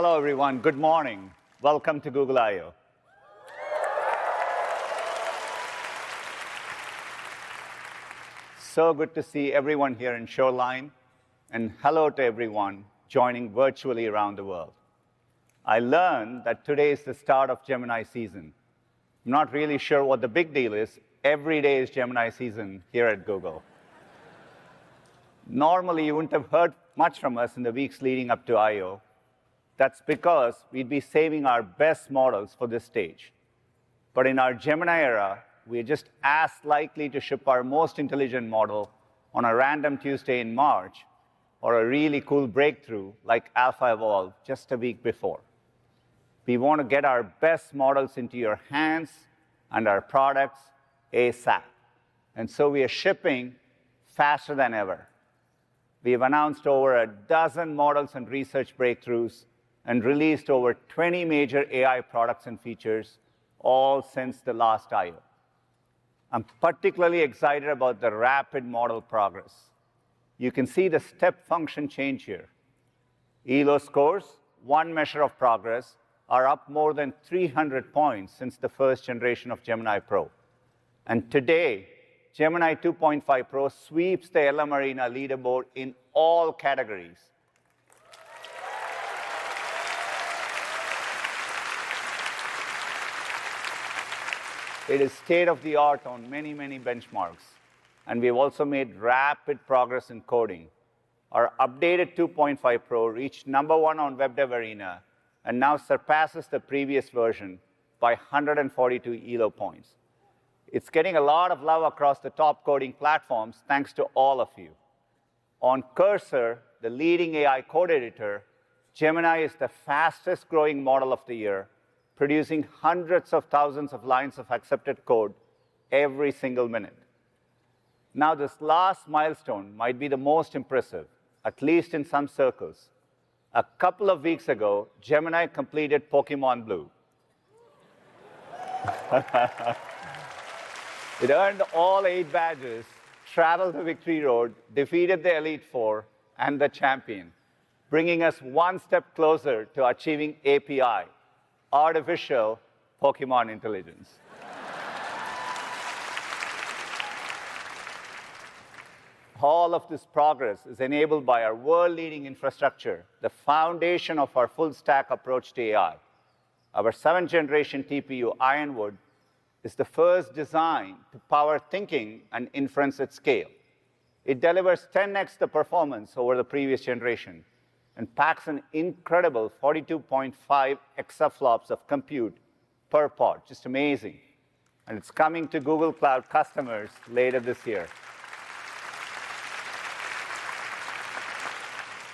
Hello, everyone. Good morning. Welcome to Google I/O. So good to see everyone here in Shoreline. Hello to everyone joining virtually around the world. I learned that today is the start of Gemini season. I'm not really sure what the big deal is. Every day is Gemini season here at Google. Normally, you wouldn't have heard much from us in the weeks leading up to I/O. That's because we'd be saving our best models for this stage. But in our Gemini era, we're just as likely to ship our most intelligent model on a random Tuesday in March or a really cool breakthrough like AlphaEvolve just a week before. We want to get our best models into your hands and our products ASAP. We are shipping faster than ever. We have announced over a dozen models and research breakthroughs and released over 20 major AI products and features, all since the last I/O. I'm particularly excited about the rapid model progress. You can see the step function change here. Elo scores, one measure of progress, are up more than 300 points since the first generation of Gemini Pro. Today, Gemini 2.5 Pro sweeps the LMArena leaderboard in all categories. It is state of the art on many, many benchmarks. We have also made rapid progress in coding. Our updated 2.5 Pro reached number one on WebDev Arena and now surpasses the previous version by 142 Elo points. It's getting a lot of love across the top coding platforms, thanks to all of you. On Cursor, the leading AI code editor, Gemini is the fastest growing model of the year, producing hundreds of thousands of lines of accepted code every single minute. Now, this last milestone might be the most impressive, at least in some circles. A couple of weeks ago, Gemini completed Pokémon Blue. It earned all eight badges, traveled the victory road, defeated the Elite Four, and the Champion, bringing us one step closer to achieving API, Artificial Pokémon Intelligence. All of this progress is enabled by our world-leading infrastructure, the foundation of our full-stack approach to AI. Our 7th generation TPU, Ironwood, is the first design to power thinking and inference at scale. It delivers 10x the performance over the previous generation and packs an incredible 42.5 exaflops of compute per pod. Just amazing. It's coming to Google Cloud customers later this year.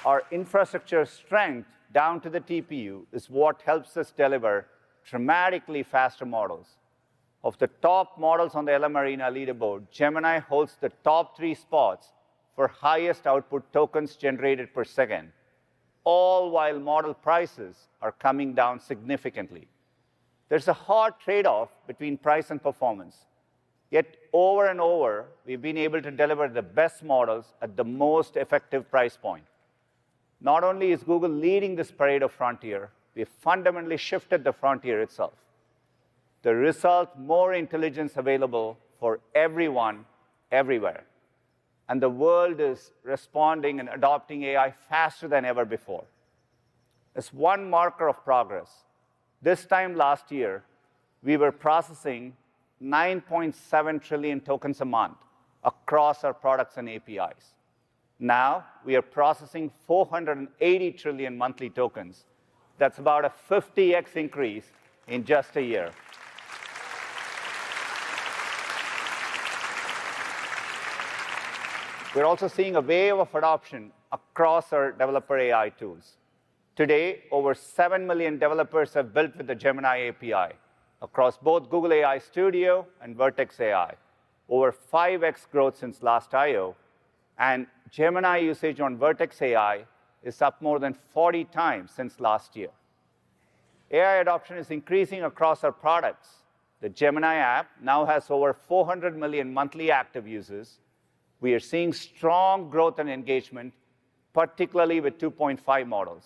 Our infrastructure strength down to the TPU is what helps us deliver dramatically faster models. Of the top models on the LMArena leaderboard, Gemini holds the top three spots for highest output tokens generated per second, all while model prices are coming down significantly. There's a hard trade-off between price and performance. Yet over and over, we've been able to deliver the best models at the most effective price point. Not only is Google leading this parade of frontier models, we've fundamentally shifted the frontier itself. The result: more intelligence available for everyone, everywhere. The world is responding and adopting AI faster than ever before. It's one marker of progress. This time last year, we were processing 9.7 trillion tokens a month across our products and APIs. Now, we are processing 480 trillion monthly tokens. That's about a 50x increase in just a year. We're also seeing a wave of adoption across our developer AI tools. Today, over 7 million developers have built with the Gemini API across both Google AI Studio and Vertex AI. Over 5x growth since last I/O. Gemini usage on Vertex AI is up more than 40x since last year. AI adoption is increasing across our products. The Gemini app now has over 400 million monthly active users. We are seeing strong growth and engagement, particularly with 2.5 models.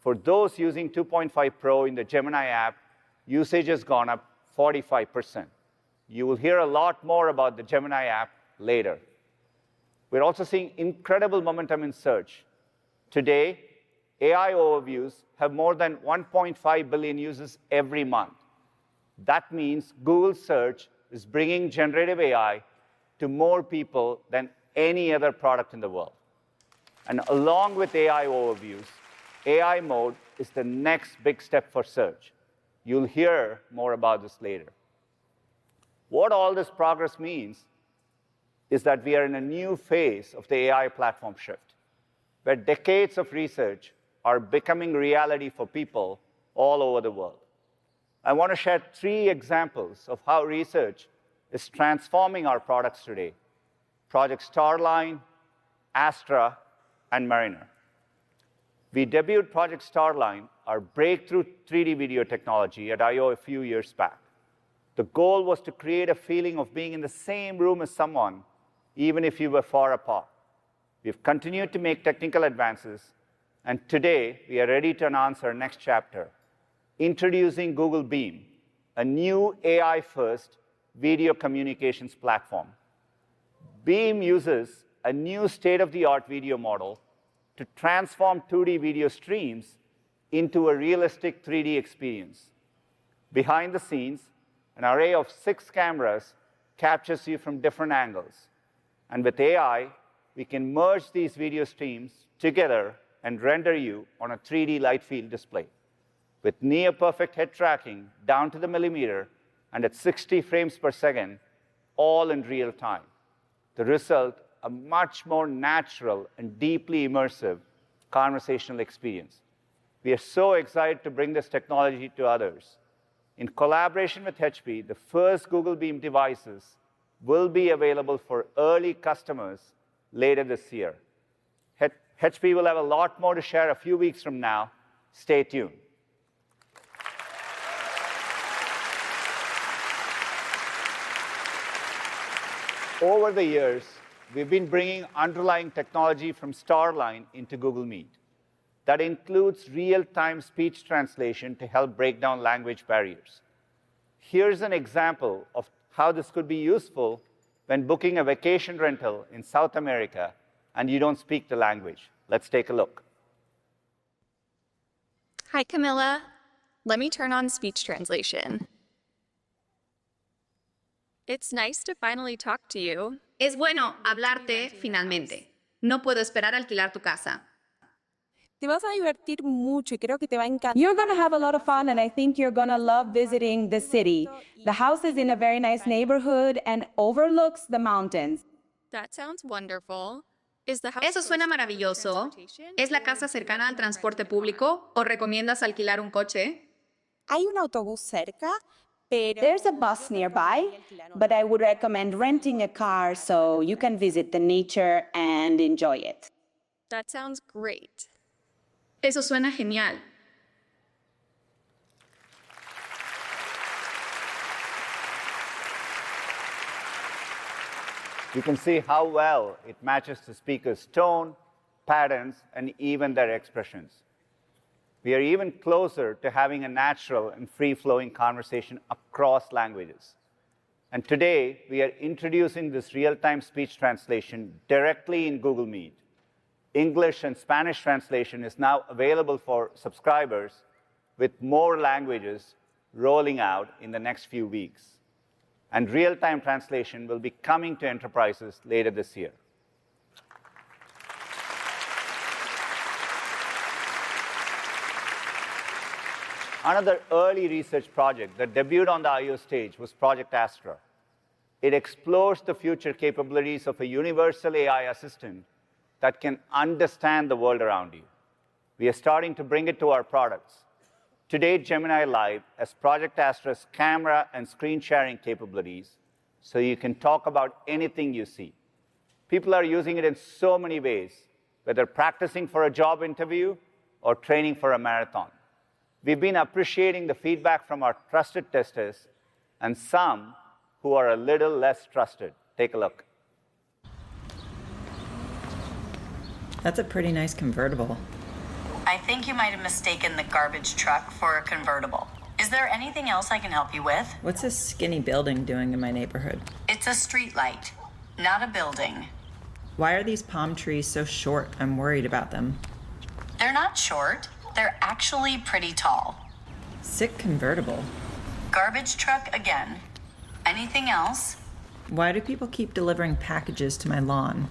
For those using 2.5 Pro in the Gemini app, usage has gone up 45%. You will hear a lot more about the Gemini app later. We're also seeing incredible momentum in search. Today, AI Overviews have more than 1.5 billion users every month. That means Google Search is bringing generative AI to more people than any other product in the world. Along with AI Overviews, AI mode is the next big step for search. You'll hear more about this later. What all this progress means is that we are in a new phase of the AI platform shift, where decades of research are becoming reality for people all over the world. I want to share three examples of how research is transforming our products today: Project Starline, Astra, and Mariner. We debuted Project Starline, our breakthrough 3D video technology, at I/O a few years back. The goal was to create a feeling of being in the same room as someone, even if you were far apart. We've continued to make technical advances. Today, we are ready to announce our next chapter, introducing Google Beam, a new AI-first video communications platform. Beam uses a new state-of-the-art video model to transform 2D video streams into a realistic 3D experience. Behind the scenes, an array of six cameras captures you from different angles. With AI, we can merge these video streams together and render you on a 3D light field display, with near-perfect head tracking down to the millimeter and at 60 frames per second, all in real time. The result: a much more natural and deeply immersive conversational experience. We are so excited to bring this technology to others. In collaboration with HP, the first Google Beam devices will be available for early customers later this year. HP will have a lot more to share a few weeks from now. Stay tuned. Over the years, we've been bringing underlying technology from Project Starline into Google Meet. That includes real-time speech translation to help break down language barriers. Here's an example of how this could be useful when booking a vacation rental in South America and you don't speak the language. Let's take a look. Hi, Camilla. Let me turn on speech translation. It's nice to finally talk to you. Es bueno hablarte finalmente. No puedo esperar a alquilar tu casa. Te vas a divertir mucho, y creo que te va a encantar. You're going to have a lot of fun, and I think you're going to love visiting the city. The house is in a very nice neighborhood and overlooks the mountains. That sounds wonderful. Eso suena maravilloso. ¿Es la casa cercana al transporte público o recomiendas alquilar un coche? Hay un autobús cerca, pero there's a bus nearby, but I would recommend renting a car so you can visit the nature and enjoy it. That sounds great. Eso suena genial. You can see how well it matches the speaker's tone, patterns, and even their expressions. We are even closer to having a natural and free-flowing conversation across languages. Today, we are introducing this real-time speech translation directly in Google Meet. English and Spanish translation is now available for subscribers, with more languages rolling out in the next few weeks. Real-time translation will be coming to enterprises later this year. Another early research project that debuted on the I/O stage was Project Astra. It explores the future capabilities of a universal AI assistant that can understand the world around you. We are starting to bring it to our products. Today, Gemini Live has Project Astra's camera and screen sharing capabilities, so you can talk about anything you see. People are using it in so many ways, whether practicing for a job interview or training for a marathon. We've been appreciating the feedback from our trusted testers and some who are a little less trusted. Take a look. That's a pretty nice convertible. I think you might have mistaken the garbage truck for a convertible. Is there anything else I can help you with? What's this skinny building doing in my neighborhood? It's a streetlight, not a building. Why are these palm trees so short? I'm worried about them. They're not short. They're actually pretty tall. Sick convertible. Garbage truck again. Anything else? Why do people keep delivering packages to my lawn?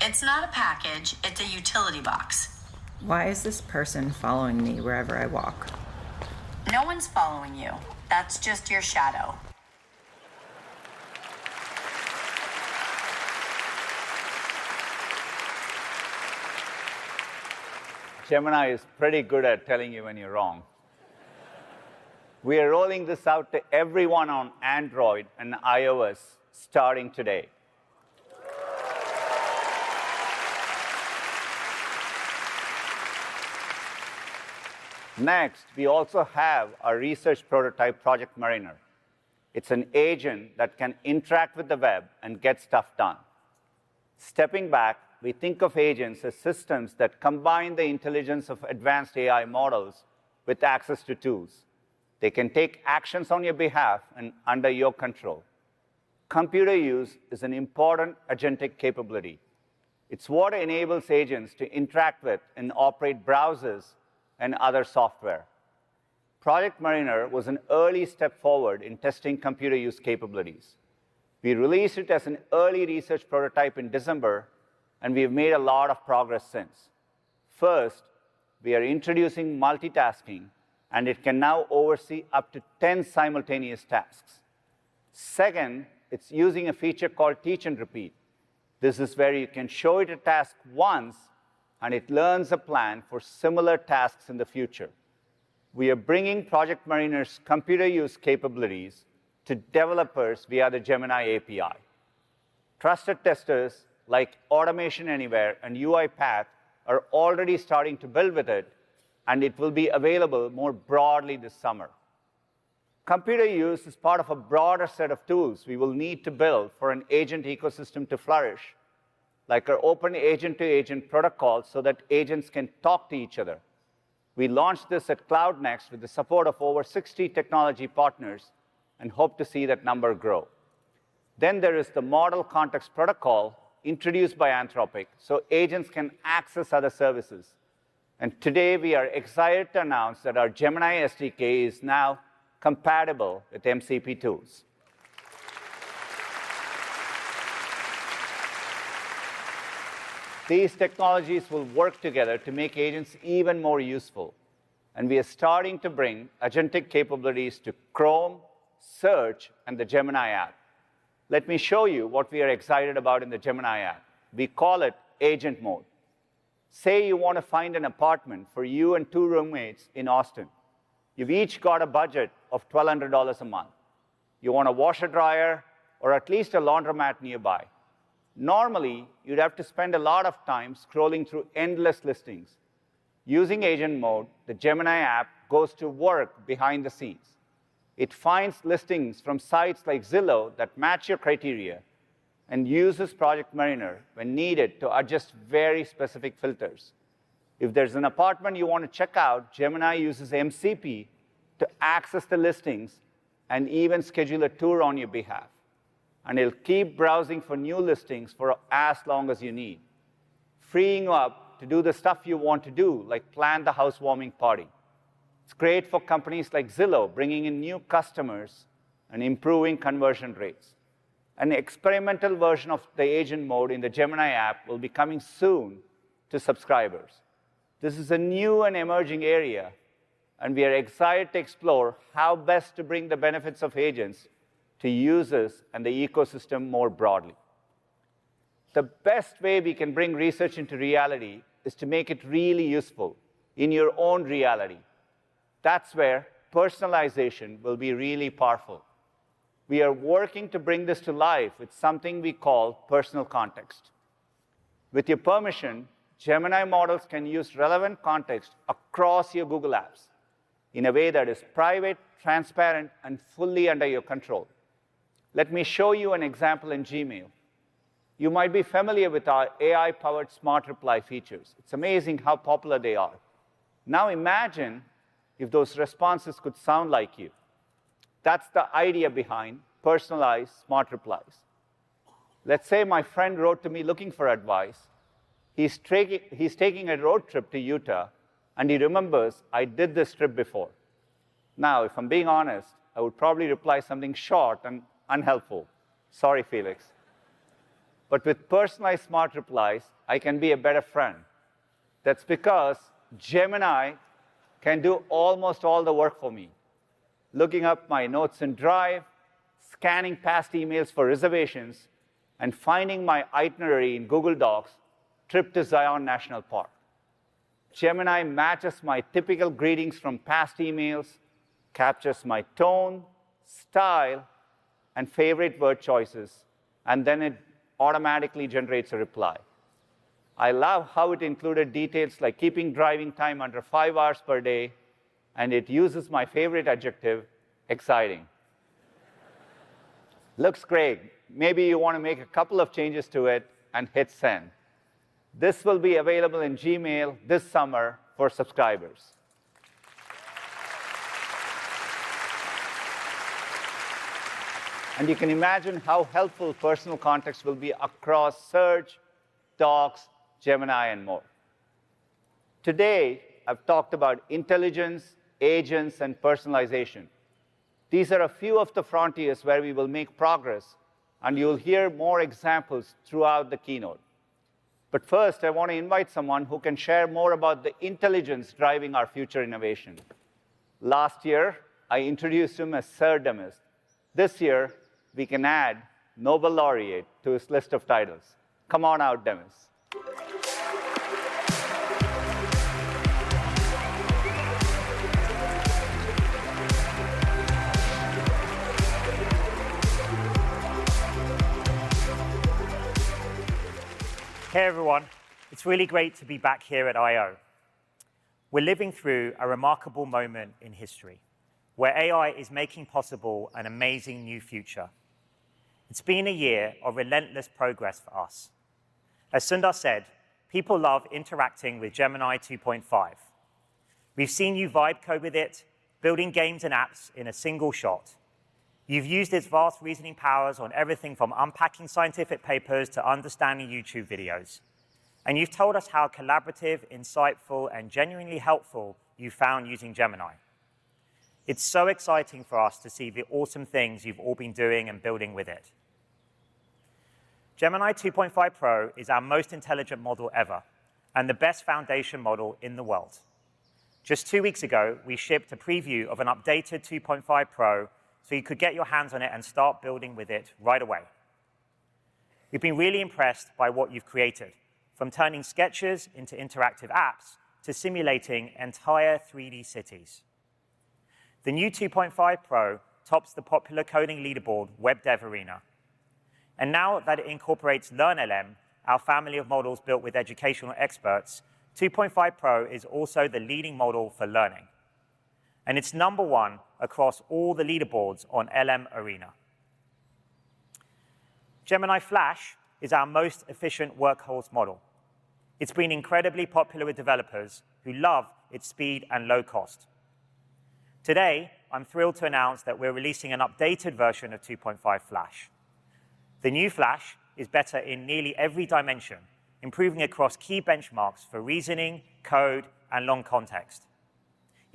It's not a package. It's a utility box. Why is this person following me wherever I walk? No one's following you. That's just your shadow. Gemini is pretty good at telling you when you're wrong. We are rolling this out to everyone on Android and iOS starting today. Next, we also have our research prototype, Project Mariner. It's an agent that can interact with the web and get stuff done. Stepping back, we think of agents as systems that combine the intelligence of advanced AI models with access to tools. They can take actions on your behalf and under your control. Computer use is an important agentic capability. It's what enables agents to interact with and operate browsers and other software. Project Mariner was an early step forward in testing computer use capabilities. We released it as an early research prototype in December, and we have made a lot of progress since. First, we are introducing multitasking, and it can now oversee up to 10 simultaneous tasks. Second, it's using a feature called Teach and Repeat. This is where you can show it a task once, and it learns a plan for similar tasks in the future. We are bringing Project Mariner's computer use capabilities to developers via the Gemini API. Trusted testers like Automation Anywhere and UiPath are already starting to build with it, and it will be available more broadly this summer. Computer use is part of a broader set of tools we will need to build for an agent ecosystem to flourish, like our open agent-to-agent protocol so that agents can talk to each other. We launched this at Cloud Next with the support of over 60 technology partners and hope to see that number grow. Then there is the Model Context Protocol introduced by Anthropic so agents can access other services. Today, we are excited to announce that our Gemini SDK is now compatible with MCP Tools. These technologies will work together to make agents even more useful. We are starting to bring agentic capabilities to Chrome, Google Search, and the Gemini app. Let me show you what we are excited about in the Gemini app. We call it Agent Mode. Say you want to find an apartment for you and two roommates in Austin. You've each got a budget of $1,200 a month. You want a washer/dryer or at least a laundromat nearby. Normally, you'd have to spend a lot of time scrolling through endless listings. Using Agent Mode, the Gemini app goes to work behind the scenes. It finds listings from sites like Zillow that match your criteria and uses Project Mariner when needed to adjust very specific filters. If there's an apartment you want to check out, Gemini uses MCP to access the listings and even schedule a tour on your behalf. It'll keep browsing for new listings for as long as you need, freeing you up to do the stuff you want to do, like plan the housewarming party. It's great for companies like Zillow, bringing in new customers and improving conversion rates. An experimental version of the Agent Mode in the Gemini app will be coming soon to subscribers. This is a new and emerging area, and we are excited to explore how best to bring the benefits of agents to users and the ecosystem more broadly. The best way we can bring research into reality is to make it really useful in your own reality. That's where personalization will be really powerful. We are working to bring this to life with something we call personal context. With your permission, Gemini models can use relevant context across your Google Apps in a way that is private, transparent, and fully under your control. Let me show you an example in Gmail. You might be familiar with our AI-powered Smart Reply features. It's amazing how popular they are. Now imagine if those responses could sound like you. That's the idea behind personalized Smart Replies. Let's say my friend wrote to me looking for advice. He's taking a road trip to Utah, and he remembers I did this trip before. Now, if I'm being honest, I would probably reply something short and unhelpful. Sorry, Felix. But with personalized Smart Replies, I can be a better friend. That's because Gemini can do almost all the work for me, looking up my notes in Drive, scanning past emails for reservations, and finding my itinerary in Google Docs, Trip to Zion National Park. Gemini matches my typical greetings from past emails, captures my tone, style, and favorite word choices, and then it automatically generates a reply. I love how it included details like keeping driving time under five hours per day, and it uses my favorite adjective, exciting. Looks great. Maybe you want to make a couple of changes to it and hit send. This will be available in Gmail this summer for subscribers. You can imagine how helpful personal context will be across Google Search, Google Docs, Gemini, and more. Today, I've talked about intelligence, agents, and personalization. These are a few of the frontiers where we will make progress, and you'll hear more examples throughout the keynote. But first, I want to invite someone who can share more about the intelligence driving our future innovation. Last year, I introduced him as Sir Demis. This year, we can add Nobel Laureate to his list of titles. Come on out, Demis. Hey, everyone. It's really great to be back here at I/O. We're living through a remarkable moment in history where AI is making possible an amazing new future. It's been a year of relentless progress for us. As Sundar said, people love interacting with Gemini 2.5. We've seen you vibe code with it, building games and apps in a single shot. You've used its vast reasoning powers on everything from unpacking scientific papers to understanding YouTube videos. You've told us how collaborative, insightful, and genuinely helpful you found using Gemini. It's so exciting for us to see the awesome things you've all been doing and building with it. Gemini 2.5 Pro is our most intelligent model ever and the best foundation model in the world. Just two weeks ago, we shipped a preview of an updated Gemini 2.5 Pro so you could get your hands on it and start building with it right away. We've been really impressed by what you've created, from turning sketches into interactive apps to simulating entire 3D cities. The new Gemini 2.5 Pro tops the popular coding leaderboard, WebDev Arena. Now that it incorporates LearnLM, our family of models built with educational experts, Gemini 2.5 Pro is also the leading model for learning. It's number one across all th leaderboards on LMArena. Gemini Flash is our most efficient workhorse model. It's been incredibly popular with developers who love its speed and low cost. Today, I'm thrilled to announce that we're releasing an updated version of Gemini 2.5 Flash. The new Gemini Flash is better in nearly every dimension, improving across key benchmarks for reasoning, code, and long context.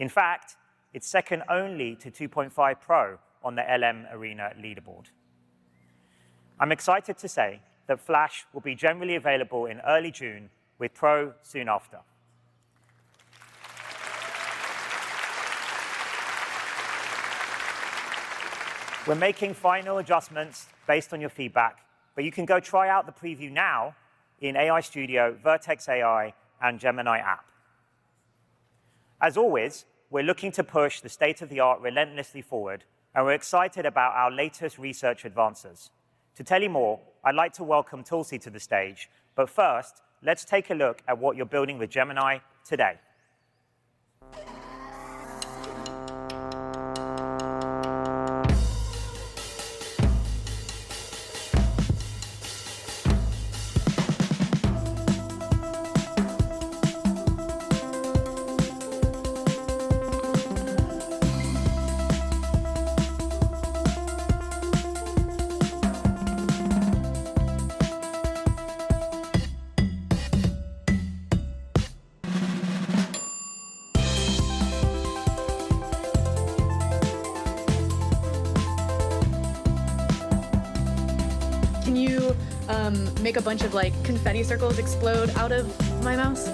In fact, it's second only to Gemini 2.5 Pro on the LMArena leaderboard. I'm excited to say that Gemini Flash will be generally available in early June with Pro soon after. We're making final adjustments based on your feedback, but you can go try out the preview now in AI Studio, Vertex AI, and Gemini app. As always, we're looking to push the state-of-the-art relentlessly forward, and we're excited about our latest research advances. To tell you more, I'd like to welcome Tulsee to the stage. But first, let's take a look at what you're building with Gemini today. Can you make a bunch of confetti circles explode out of my mouse?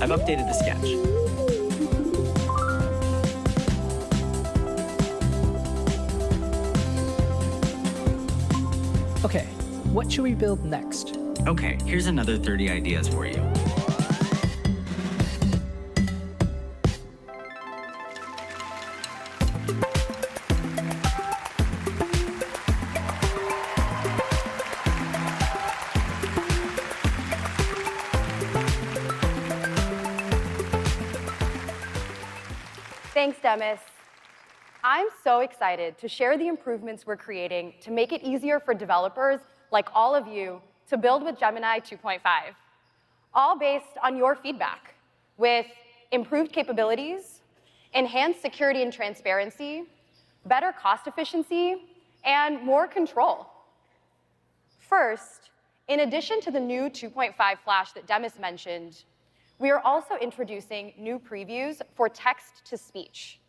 I've updated the sketch. OK, what should we build next? OK, here's another 30 ideas for you. Thanks, Demis. I'm so excited to share the improvements we're creating to make it easier for developers like all of you to build with Gemini 2.5, all based on your feedback with improved capabilities, enhanced security and transparency, better cost efficiency, and more control. First, in addition to the new Gemini 2.5 Flash that Demis mentioned, we are also introducing new previews for text-to-speech.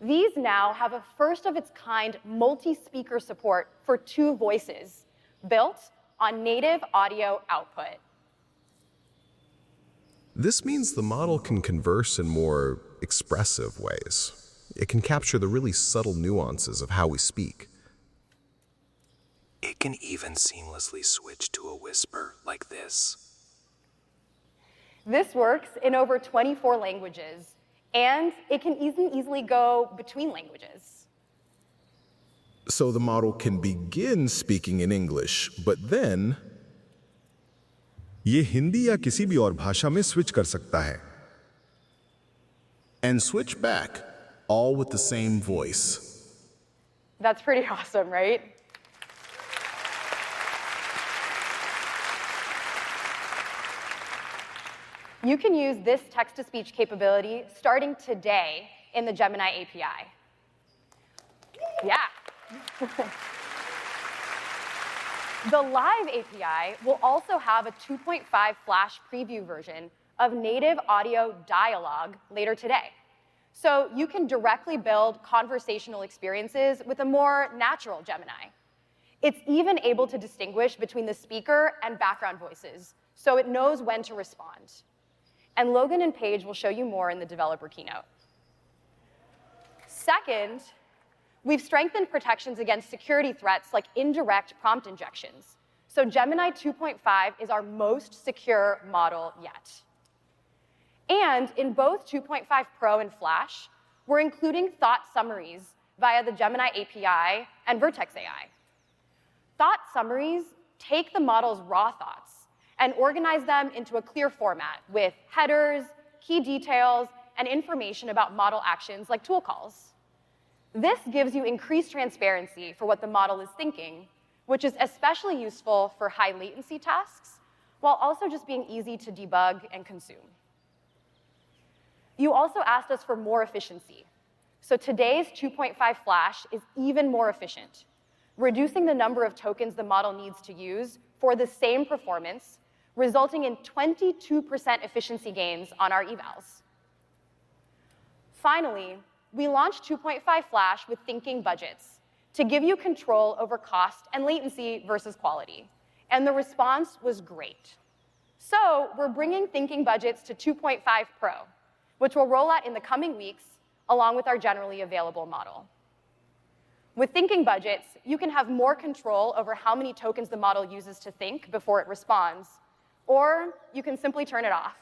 These now have a first-of-its-kind multi-speaker support for two voices built on native audio output. This means the model can converse in more expressive ways. It can capture the really subtle nuances of how we speak. It can even seamlessly switch to a whisper like this. This works in over 24 languages, and it can even easily go between languages. So the model can begin speaking in English, but then यह हिंदी या किसी भी और भाषा में switch कर सकता है। And switch back, all with the same voice. That's pretty awesome, right? You can use this text-to-speech capability starting today in the Gemini API. Yeah. The live API will also have a Gemini 2.5 Flash preview version of native audio dialogue later today. So you can directly build conversational experiences with a more natural Gemini. It's even able to distinguish between the speaker and background voices, so it knows when to respond. Logan and Paige will show you more in the developer keynote. Second, we've strengthened protections against security threats like indirect prompt injections. Gemini 2.5 is our most secure model yet. In both Gemini 2.5 Pro and Gemini Flash, we're including thought summaries via the Gemini API and Vertex AI. Thought summaries take the model's raw thoughts and organize them into a clear format with headers, key details, and information about model actions like tool calls. This gives you increased transparency for what the model is thinking, which is especially useful for high-latency tasks while also just being easy to debug and consume. You also asked us for more efficiency. Today's Gemini 2.5 Flash is even more efficient, reducing the number of tokens the model needs to use for the same performance, resulting in 22% efficiency gains on our evals. Finally, we launched Gemini 2.5 Flash with thinking budgets to give you control over cost and latency versus quality. The response was great. We're bringing thinking budgets to Gemini 2.5 Pro, which will roll out in the coming weeks along with our generally available model. With thinking budgets, you can have more control over how many tokens the model uses to think before it responds, or you can simply turn it off.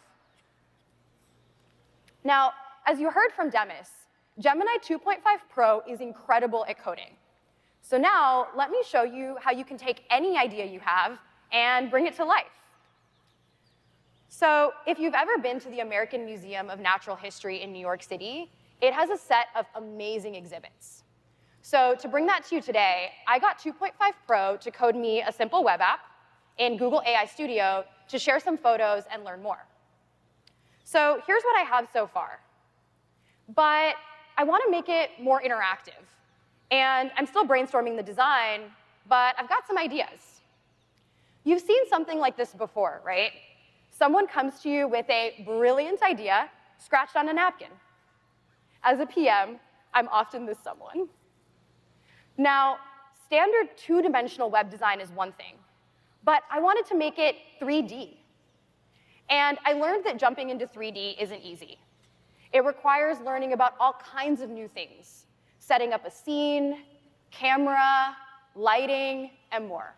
As you heard from Demis, Gemini 2.5 Pro is incredible at coding. Now let me show you how you can take any idea you have and bring it to life. If you've ever been to the American Museum of Natural History in New York City, it has a set of amazing exhibits. To bring that to you today, I got Gemini 2.5 Pro to code me a simple web app in Google AI Studio to share some photos and learn more. Here's what I have so far. But I want to make it more interactive. I'm still brainstorming the design, but I've got some ideas. You've seen something like this before, right? Someone comes to you with a brilliant idea scratched on a napkin. As a PM, I'm often this someone. Now, standard two-dimensional web design is one thing, but I wanted to make it 3D. I learned that jumping into 3D isn't easy. It requires learning about all kinds of new things, setting up a scene, camera, lighting, and more.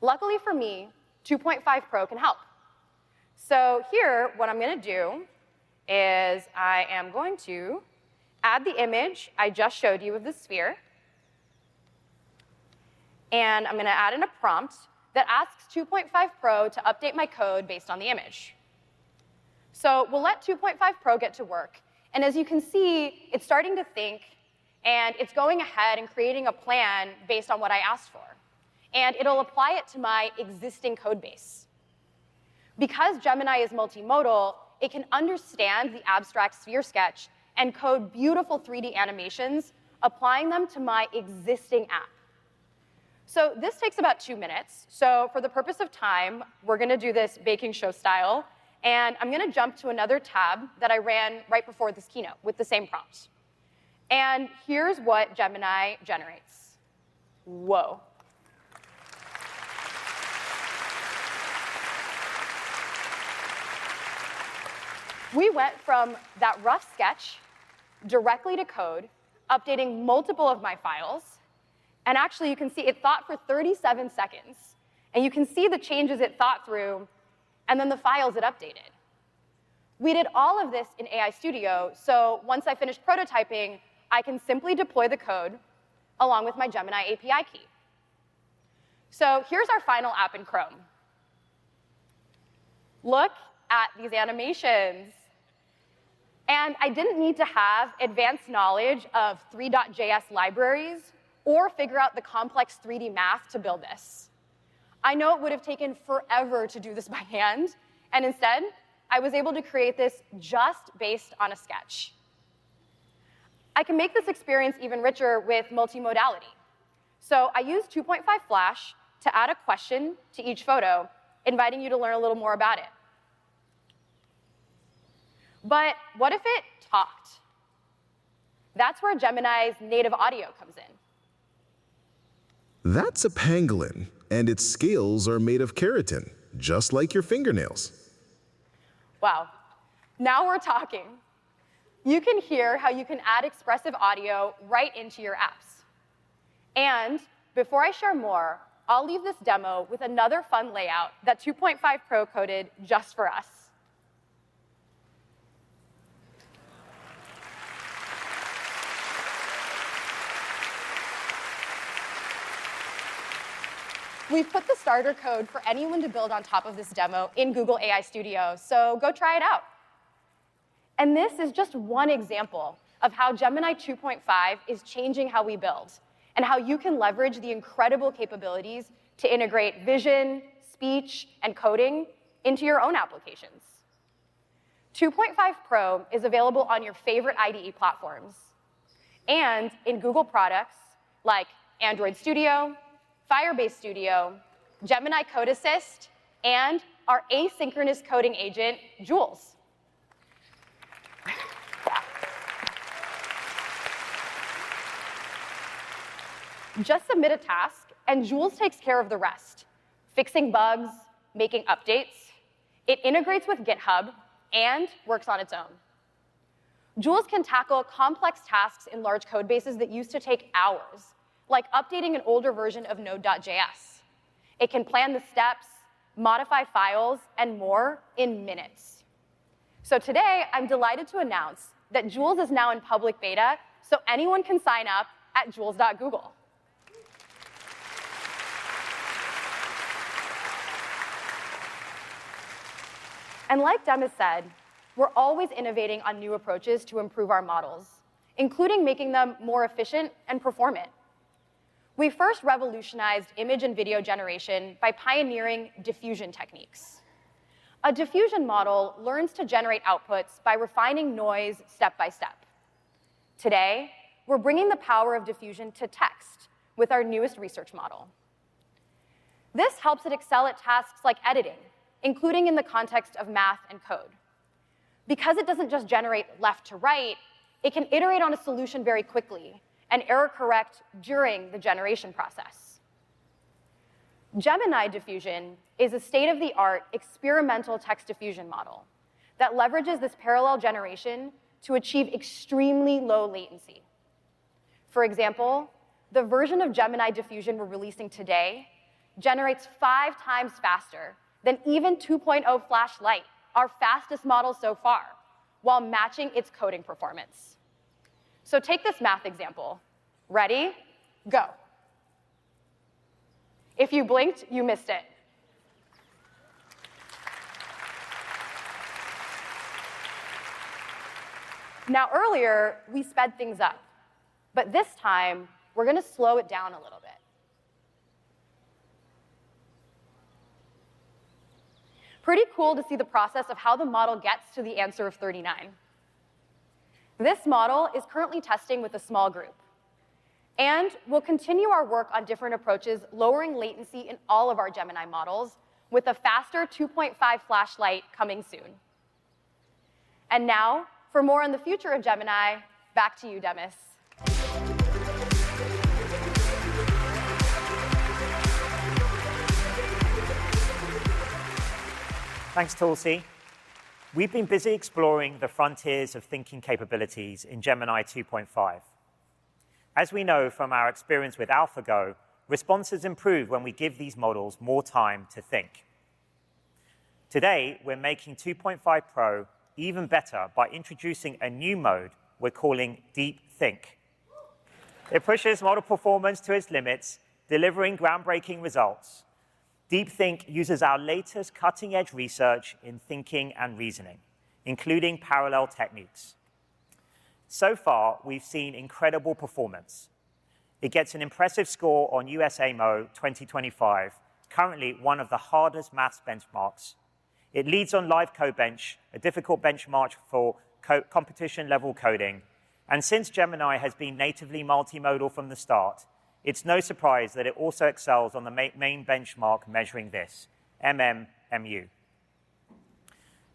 Luckily for me, Gemini 2.5 Pro can help. Here, what I'm going to do is I am going to add the image I just showed you of the sphere. I'm going to add in a prompt that asks Gemini 2.5 Pro to update my code based on the image. We'll let Gemini 2.5 Pro get to work. As you can see, it's starting to think, and it's going ahead and creating a plan based on what I asked for. It'll apply it to my existing code base. Because Gemini is multimodal, it can understand the abstract sphere sketch and code beautiful 3D animations, applying them to my existing app. This takes about two minutes. For the purpose of time, we're going to do this baking show style. I'm going to jump to another tab that I ran right before this keynote with the same prompt. Here's what Gemini generates. Whoa. We went from that rough sketch directly to code, updating multiple of my files. Actually, you can see it thought for 37 seconds. You can see the changes it thought through, and then the files it updated. We did all of this in AI Studio. Once I finished prototyping, I can simply deploy the code along with my Gemini API key. Here's our final app in Chrome. Look at these animations. I didn't need to have advanced knowledge of Three.js libraries or figure out the complex 3D math to build this. I know it would have taken forever to do this by hand. Instead, I was able to create this just based on a sketch. I can make this experience even richer with multimodality. So I used Gemini 2.5 Flash to add a question to each photo, inviting you to learn a little more about it. But what if it talked? That's where Gemini's native audio comes in. That's a pangolin, and its scales are made of keratin, just like your fingernails. Wow. Now we're talking. You can hear how you can add expressive audio right into your apps. Before I share more, I'll leave this demo with another fun layout that Gemini 2.5 Pro coded just for us. We've put the starter code for anyone to build on top of this demo in Google AI Studio. So go try it out. This is just one example of how Gemini 2.5 is changing how we build and how you can leverage the incredible capabilities to integrate vision, speech, and coding into your own applications. Gemini 2.5 Pro is available on your favorite IDE platforms and in Google products like Android Studio, Firebase Studio, Gemini Code Assist, and our asynchronous coding agent, Jules. Just submit a task, and Jules takes care of the rest, fixing bugs, making updates. It integrates with GitHub and works on its own. Jules can tackle complex tasks in large code bases that used to take hours, like updating an older version of Node.js. It can plan the steps, modify files, and more in minutes. Today, I'm delighted to announce that Jules is now in public beta, so anyone can sign up at jules.google. Like Demis said, we're always innovating on new approaches to improve our models, including making them more efficient and performant. We first revolutionized image and video generation by pioneering diffusion techniques. A diffusion model learns to generate outputs by refining noise step by step. Today, we're bringing the power of diffusion to text with our newest research model. This helps it excel at tasks like editing, including in the context of math and code. Because it doesn't just generate left to right, it can iterate on a solution very quickly and error correct during the generation process. Gemini diffusion is a state-of-the-art experimental text diffusion model that leverages this parallel generation to achieve extremely low latency. For example, the version of Gemini diffusion we're releasing today generates five times faster than even 2.0 Flash Lite, our fastest model so far, while matching its coding performance. Take this math example. Ready, go. If you blinked, you missed it. Earlier, we sped things up. But this time, we're going to slow it down a little bit. Pretty cool to see the process of how the model gets to the answer of 39. This model is currently testing with a small group. We'll continue our work on different approaches, lowering latency in all of our Gemini models, with a faster 2.5 Flash Lite coming soon. For more on the future of Gemini, back to you, Demis. Thanks, Tulsee. We've been busy exploring the frontiers of thinking capabilities in Gemini 2.5. As we know from our experience with AlphaGo, responses improve when we give these models more time to think. Today, we're making Gemini 2.5 Pro even better by introducing a new mode we're calling Deep Think. It pushes model performance to its limits, delivering groundbreaking results. Deep Think uses our latest cutting-edge research in thinking and reasoning, including parallel techniques. So far, we've seen incredible performance. It gets an impressive score on USAMO 2025, currently one of the hardest math benchmarks. It leads on LiveCodeBench, a difficult benchmark for competition-level coding. Since Gemini has been natively multimodal from the start, it's no surprise that it also excels on the main benchmark measuring this, MMMU.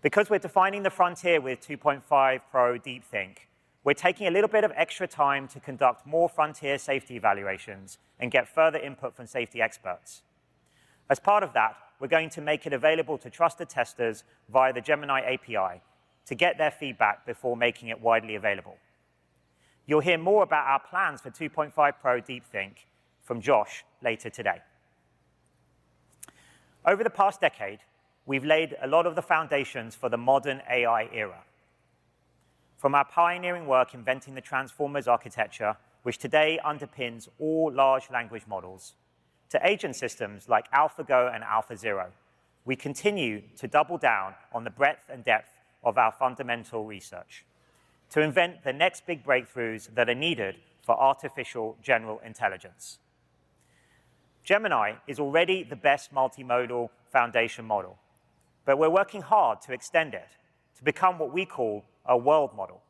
Because we're defining the frontier with Gemini 2.5 Pro Deep Think, we're taking a little bit of extra time to conduct more frontier safety evaluations and get further input from safety experts. As part of that, we're going to make it available to trusted testers via the Gemini API to get their feedback before making it widely available. You'll hear more about our plans for Gemini 2.5 Pro Deep Think from Josh later today. Over the past decade, we've laid a lot of the foundations for the modern AI era. From our pioneering work inventing the Transformers architecture, which today underpins all large language models, to agent systems like AlphaGo and AlphaZero, we continue to double down on the breadth and depth of our fundamental research to invent the next big breakthroughs that are needed for artificial general intelligence. Gemini is already the best multimodal foundation model. But we're working hard to extend it to become what we call a world model.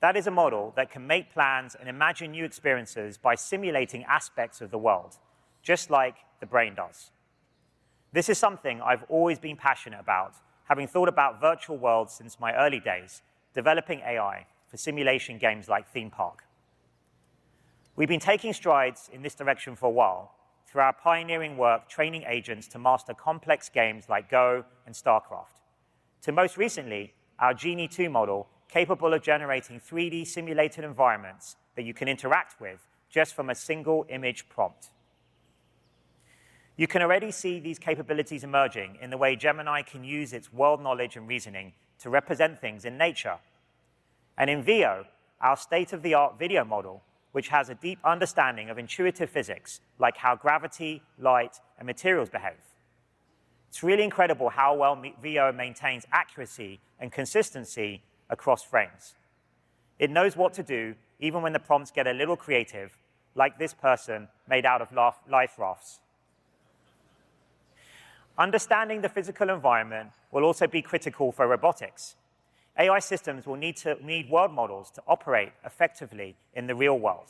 That is a model that can make plans and imagine new experiences by simulating aspects of the world, just like the brain does. This is something I've always been passionate about, having thought about virtual worlds since my early days, developing AI for simulation games like Theme Park. We've been taking strides in this direction for a while through our pioneering work training agents to master complex games like Go and StarCraft, to most recently our Genie 2 model, capable of generating 3D simulated environments that you can interact with just from a single image prompt. You can already see these capabilities emerging in the way Gemini can use its world knowledge and reasoning to represent things in nature. In Veo, our state-of-the-art video model, which has a deep understanding of intuitive physics, like how gravity, light, and materials behave. It's really incredible how well Veo maintains accuracy and consistency across frames. It knows what to do even when the prompts get a little creative, like this person made out of life rafts. Understanding the physical environment will also be critical for robotics. AI systems will need world models to operate effectively in the real world.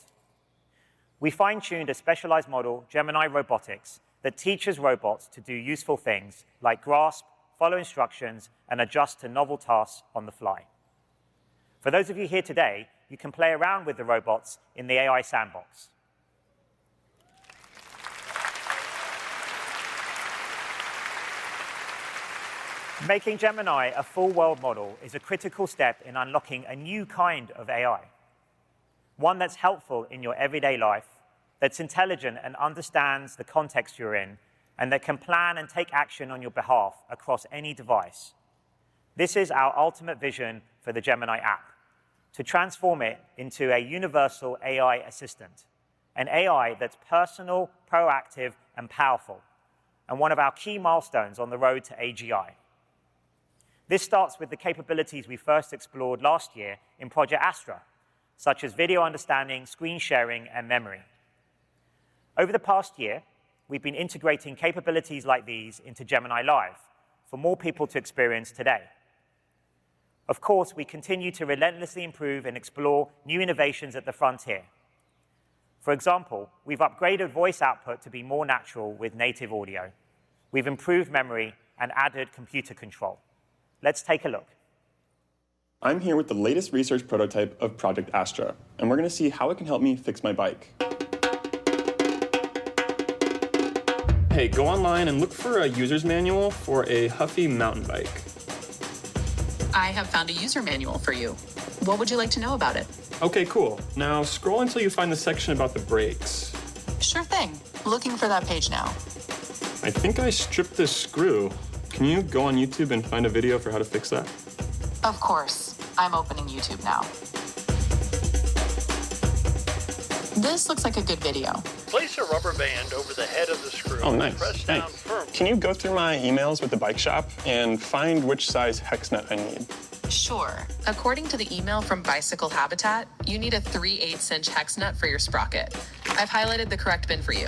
We fine-tuned a specialized model, Gemini Robotics, that teaches robots to do useful things like grasp, follow instructions, and adjust to novel tasks on the fly. For those of you here today, you can play around with the robots in the AI sandbox. Making Gemini a full world model is a critical step in unlocking a new kind of AI, one that's helpful in your everyday life, that's intelligent and understands the context you're in, and that can plan and take action on your behalf across any device. This is our ultimate vision for the Gemini app, to transform it into a universal AI assistant, an AI that's personal, proactive, and powerful, and one of our key milestones on the road to AGI. This starts with the capabilities we first explored last year in Project Astra, such as video understanding, screen sharing, and memory. Over the past year, we've been integrating capabilities like these into Gemini Live for more people to experience today. We continue to relentlessly improve and explore new innovations at the frontier. For example, we've upgraded voice output to be more natural with native audio. We've improved memory and added computer control. Let's take a look. I'm here with the latest research prototype of Project Astra. And we're going to see how it can help me fix my bike. Hey, go online and look for a user's manual for a Huffy mountain bike. I have found a user manual for you. What would you like to know about it? OK, cool. Now scroll until you find the section about the brakes. Sure thing. Looking for that page now. I think I stripped the screw. Can you go on YouTube and find a video for how to fix that? Of course. I'm opening YouTube now. This looks like a good video. Place a rubber band over the head of the screw. Oh, nice. Can you go through my emails with the bike shop and find which size hex nut I need? Sure. According to the email from Bicycle Habitat, you need a 3/8 inch hex nut for your sprocket. I've highlighted the correct bin for you.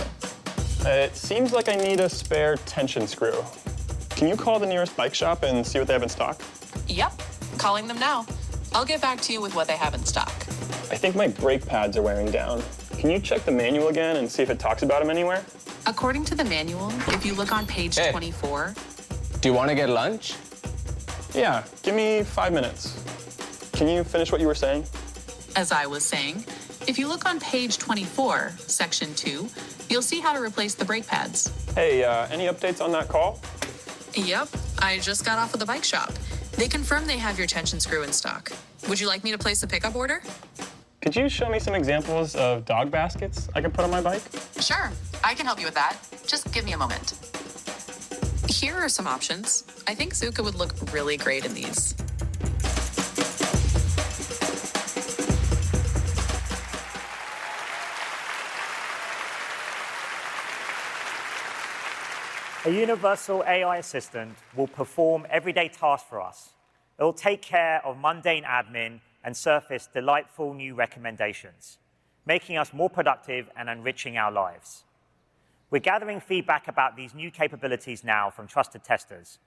It seems like I need a spare tension screw. Can you call the nearest bike shop and see what they have in stock? Yep. Calling them now. I'll get back to you with what they have in stock. I think my brake pads are wearing down. Can you check the manual again and see if it talks about them anywhere? According to the manual, if you look on page 24. Do you want to get lunch? Yeah. Give me five minutes. Can you finish what you were saying? As I was saying, if you look on page 24, section 2, you'll see how to replace the brake pads. Hey, any updates on that call? Yep. I just got off with the bike shop. They confirmed they have your tension screw in stock. Would you like me to place a pickup order? Could you show me some examples of dog baskets I can put on my bike? Sure. I can help you with that. Just give me a moment. Here are some options. I think Zuca would look really great in these. A universal AI assistant will perform everyday tasks for us. It will take care of mundane admin and surface delightful new recommendations, making us more productive and enriching our lives. We're gathering feedback about these new capabilities now from trusted testers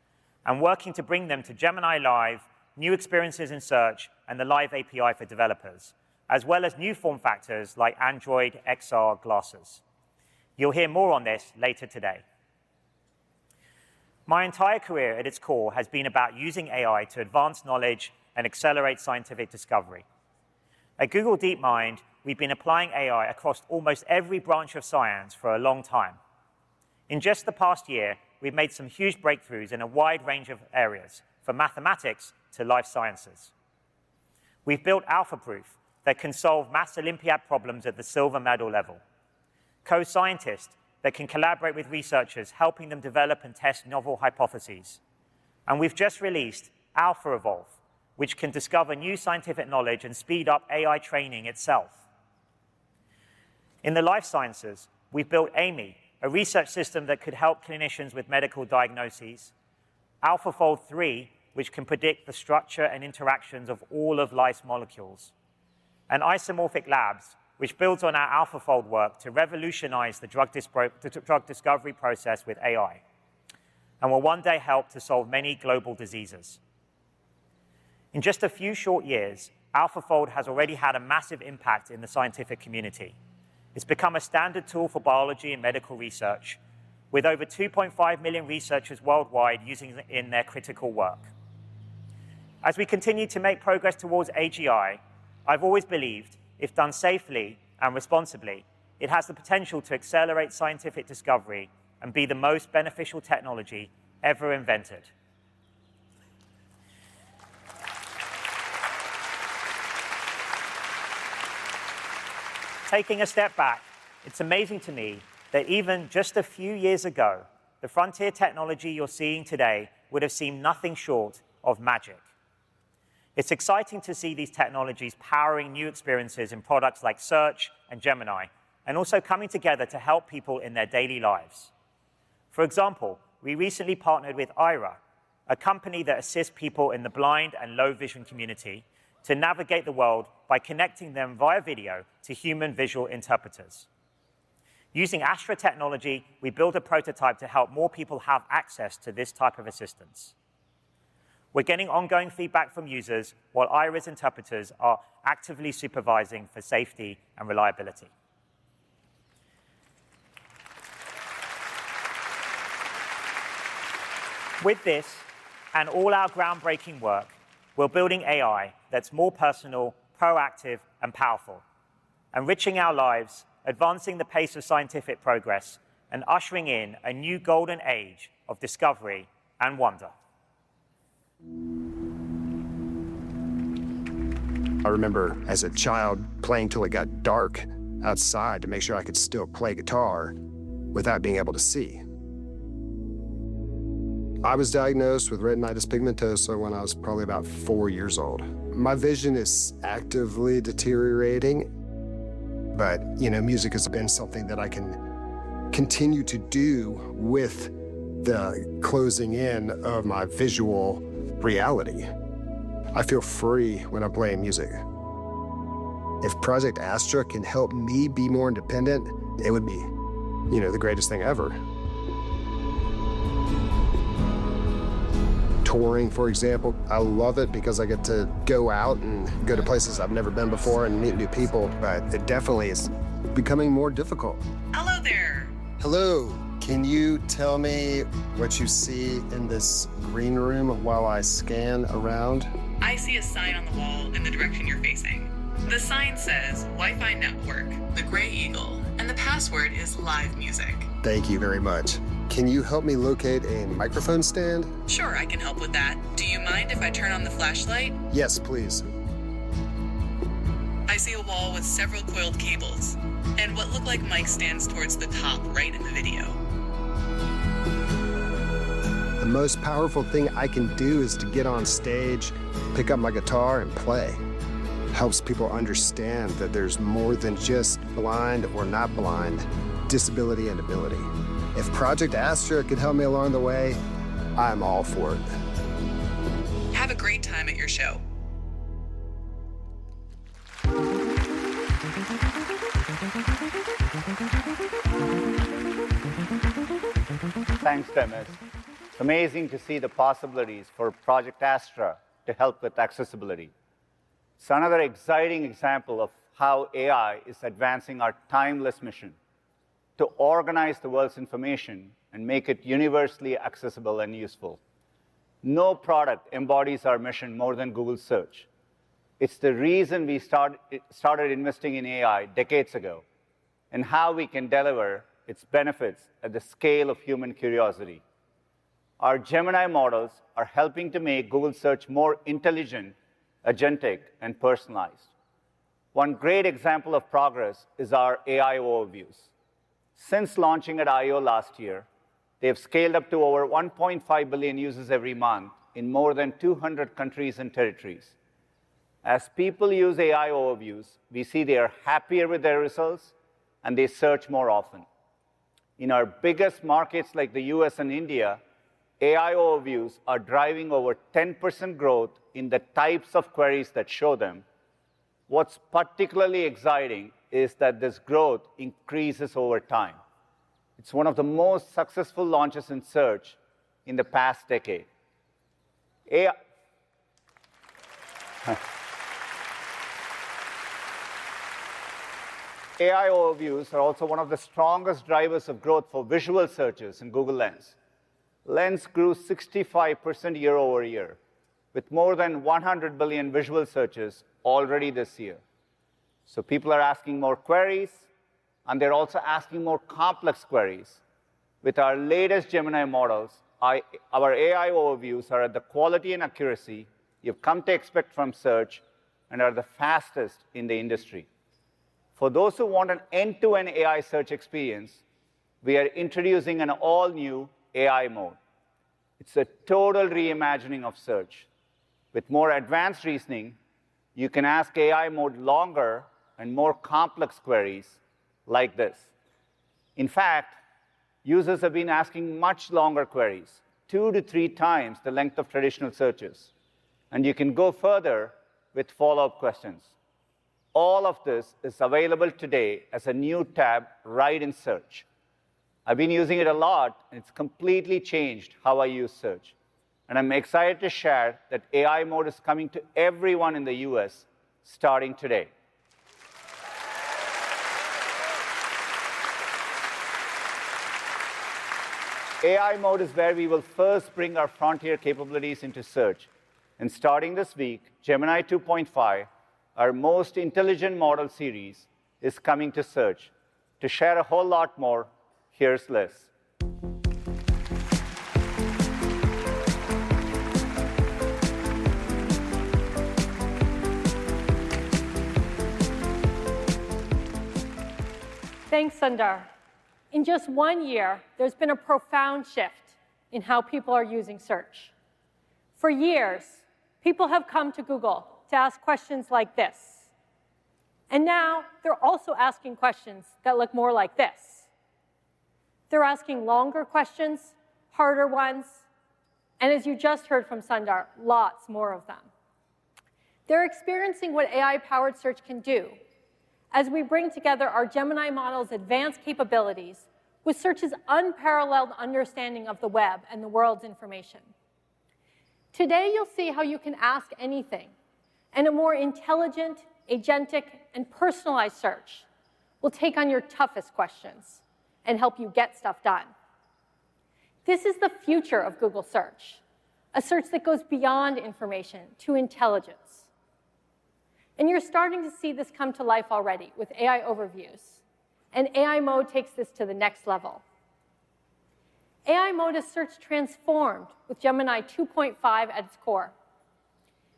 and working to bring them to Gemini Live, new experiences in Google Search, and the Live API for developers, as well as new form factors like Android XR glasses. You'll hear more on this later today. My entire career at its core has been about using AI to advance knowledge and accelerate scientific discovery. At Google DeepMind, we've been applying AI across almost every branch of science for a long time. In just the past year, we've made some huge breakthroughs in a wide range of areas, from mathematics to life sciences. We've built AlphaProof that can solve math Olympiad problems at the silver medal level, co-scientists that can collaborate with researchers, helping them develop and test novel hypotheses. We've just released AlphaEvolve, which can discover new scientific knowledge and speed up AI training itself. In the life sciences, we've built AMIE, a research system that could help clinicians with medical diagnoses, AlphaFold 3, which can predict the structure and interactions of all of life's molecules, and Isomorphic Labs, which builds on our AlphaFold work to revolutionize the drug discovery process with AI, and will one day help to solve many global diseases. In just a few short years, AlphaFold has already had a massive impact in the scientific community. It's become a standard tool for biology and medical research, with over 2.5 million researchers worldwide using it in their critical work. As we continue to make progress towards AGI, I've always believed, if done safely and responsibly, it has the potential to accelerate scientific discovery and be the most beneficial technology ever invented. Taking a step back, it's amazing to me that even just a few years ago, the frontier technology you're seeing today would have seemed nothing short of magic. It's exciting to see these technologies powering new experiences in products like Google Search and Gemini, and also coming together to help people in their daily lives. For example, we recently partnered with Aira, a company that assists people in the blind and low vision community to navigate the world by connecting them via video to human visual interpreters. Using Project Astra technology, we built a prototype to help more people have access to this type of assistance. We're getting ongoing feedback from users while Aira's interpreters are actively supervising for safety and reliability. With this and all our groundbreaking work, we're building AI that's more personal, proactive, and powerful, enriching our lives, advancing the pace of scientific progress, and ushering in a new golden age of discovery and wonder. I remember as a child playing till it got dark outside to make sure I could still play guitar without being able to see. I was diagnosed with retinitis pigmentosa when I was probably about four years old. My vision is actively deteriorating. But you know, music has been something that I can continue to do with the closing in of my visual reality. I feel free when I play music. If Project Astra can help me be more independent, it would be the greatest thing ever. Touring, for example, I love it because I get to go out and go to places I've never been before and meet new people. But it definitely is becoming more difficult. Hello there. Hello. Can you tell me what you see in this green room while I scan around? I see a sign on the wall in the direction you're facing. The sign says Wi-Fi Network, the gray eagle, and the password is Live Music. Thank you very much. Can you help me locate a microphone stand? Sure, I can help with that. Do you mind if I turn on the flashlight? Yes, please. I see a wall with several coiled cables and what look like mic stands towards the top right in the video. The most powerful thing I can do is to get on stage, pick up my guitar, and play. It helps people understand that there's more than just blind or not blind, disability and ability. If Project Astra could help me along the way, I'm all for it. Have a great time at your show. Thanks, Demis. Amazing to see the possibilities for Project Astra to help with accessibility. It's another exciting example of how AI is advancing our timeless mission to organize the world's information and make it universally accessible and useful. No product embodies our mission more than Google Search. It's the reason we started investing in AI decades ago and how we can deliver its benefits at the scale of human curiosity. Our Gemini models are helping to make Google Search more intelligent, agentic, and personalized. One great example of progress is our AI Overviews. Since launching at I/O last year, they've scaled up to over 1.5 billion users every month in more than 200 countries and territories. As people use AI Overviews, we see they are happier with their results, and they search more often. In our biggest markets, like the U.S. and India, AI Overviews are driving over 10% growth in the types of queries that show them. What's particularly exciting is that this growth increases over time. It's one of the most successful launches in Google Search in the past decade. AI Overviews are also one of the strongest drivers of growth for visual searches in Google Lens. Lens grew 65% year over year, with more than 100 billion visual searches already this year. People are asking more queries, and they're also asking more complex queries. With our latest Gemini models, our AI Overviews are at the quality and accuracy you've come to expect from Google Search and are the fastest in the industry. For those who want an end-to-end AI search experience, we are introducing an all-new AI mode. It's a total reimagining of Google Search. With more advanced reasoning, you can ask AI mode longer and more complex queries like this. In fact, users have been asking much longer queries, two to three times the length of traditional searches. You can go further with follow-up questions. All of this is available today as a new tab right in Google Search. I've been using it a lot, and it's completely changed how I use Google Search. I'm excited to share that AI mode is coming to everyone in the U.S. starting today. AI mode is where we will first bring our frontier capabilities into Google Search. Starting this week, Gemini 2.5, our most intelligent model series, is coming to Google Search. To share a whole lot more, here's Liz. Thanks, Sundar. In just one year, there's been a profound shift in how people are using Google Search. For years, people have come to Google to ask questions like this. Now they're also asking questions that look more like this. They're asking longer questions, harder ones, and, as you just heard from Sundar, lots more of them. They're experiencing what AI-powered Google Search can do as we bring together our Gemini model's advanced capabilities with Google Search's unparalleled understanding of the web and the world's information. Today, you'll see how you can ask anything, and a more intelligent, agentic, and personalized search will take on your toughest questions and help you get stuff done. This is the future of Google Search, a search that goes beyond information to intelligence. You're starting to see this come to life already with AI Overviews. AI mode takes this to the next level. AI mode is Google Search transformed with Gemini 2.5 at its core.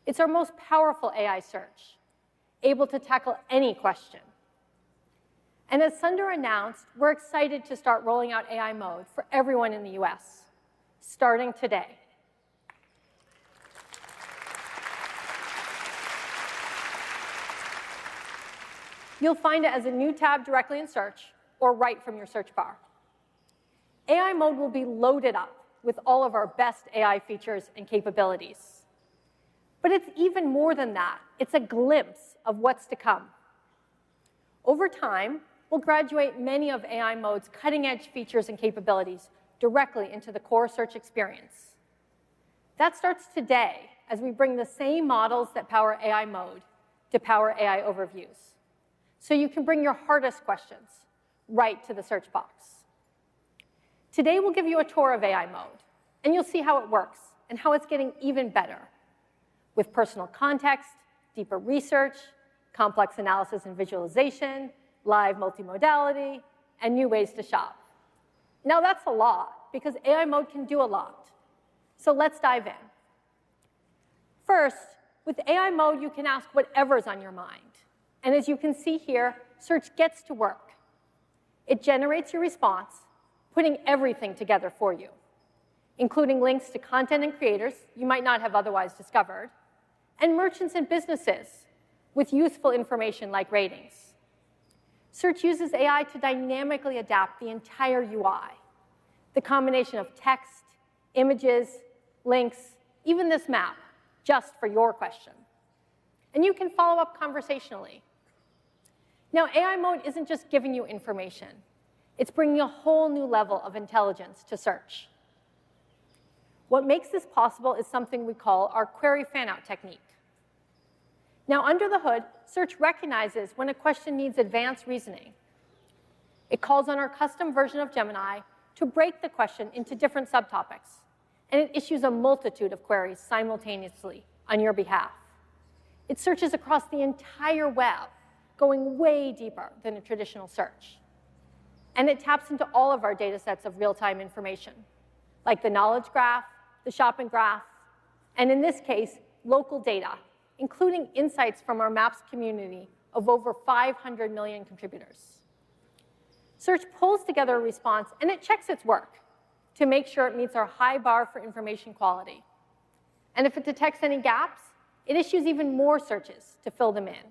It's our most powerful AI search, able to tackle any question. As Sundar announced, we're excited to start rolling out AI mode for everyone in the U.S. starting today. You'll find it as a new tab directly in Google Search or right from your search bar. AI mode will be loaded up with all of our best AI features and capabilities. But it's even more than that. It's a glimpse of what's to come. Over time, we'll graduate many of AI mode's cutting-edge features and capabilities directly into the core search experience. That starts today as we bring the same models that power AI mode to power AI Overviews so you can bring your hardest questions right to the search box. Today, we'll give you a tour of AI mode, and you'll see how it works and how it's getting even better with personal context, deeper research, complex analysis and visualization, live multimodality, and new ways to shop. That's a lot because AI mode can do a lot. Let's dive in. First, with AI mode, you can ask whatever's on your mind. As you can see here, Google Search gets to work. It generates your response, putting everything together for you, including links to content and creators you might not have otherwise discovered, and merchants and businesses with useful information like ratings. Google Search uses AI to dynamically adapt the entire UI, the combination of text, images, links, even this map just for your question. You can follow up conversationally. AI mode isn't just giving you information. It's bringing a whole new level of intelligence to Google Search. What makes this possible is something we call our query fan-out technique. Now, under the hood, Google Search recognizes when a question needs advanced reasoning. It calls on our custom version of Gemini to break the question into different subtopics, and it issues a multitude of queries simultaneously on your behalf. It searches across the entire web, going way deeper than a traditional search. It taps into all of our data sets of real-time information, like the Knowledge Graph, the Shopping Graph, and in this case, local data, including insights from our Maps community of over 500 million contributors. Google Search pulls together a response, and it checks its work to make sure it meets our high bar for information quality. If it detects any gaps, it issues even more searches to fill them in.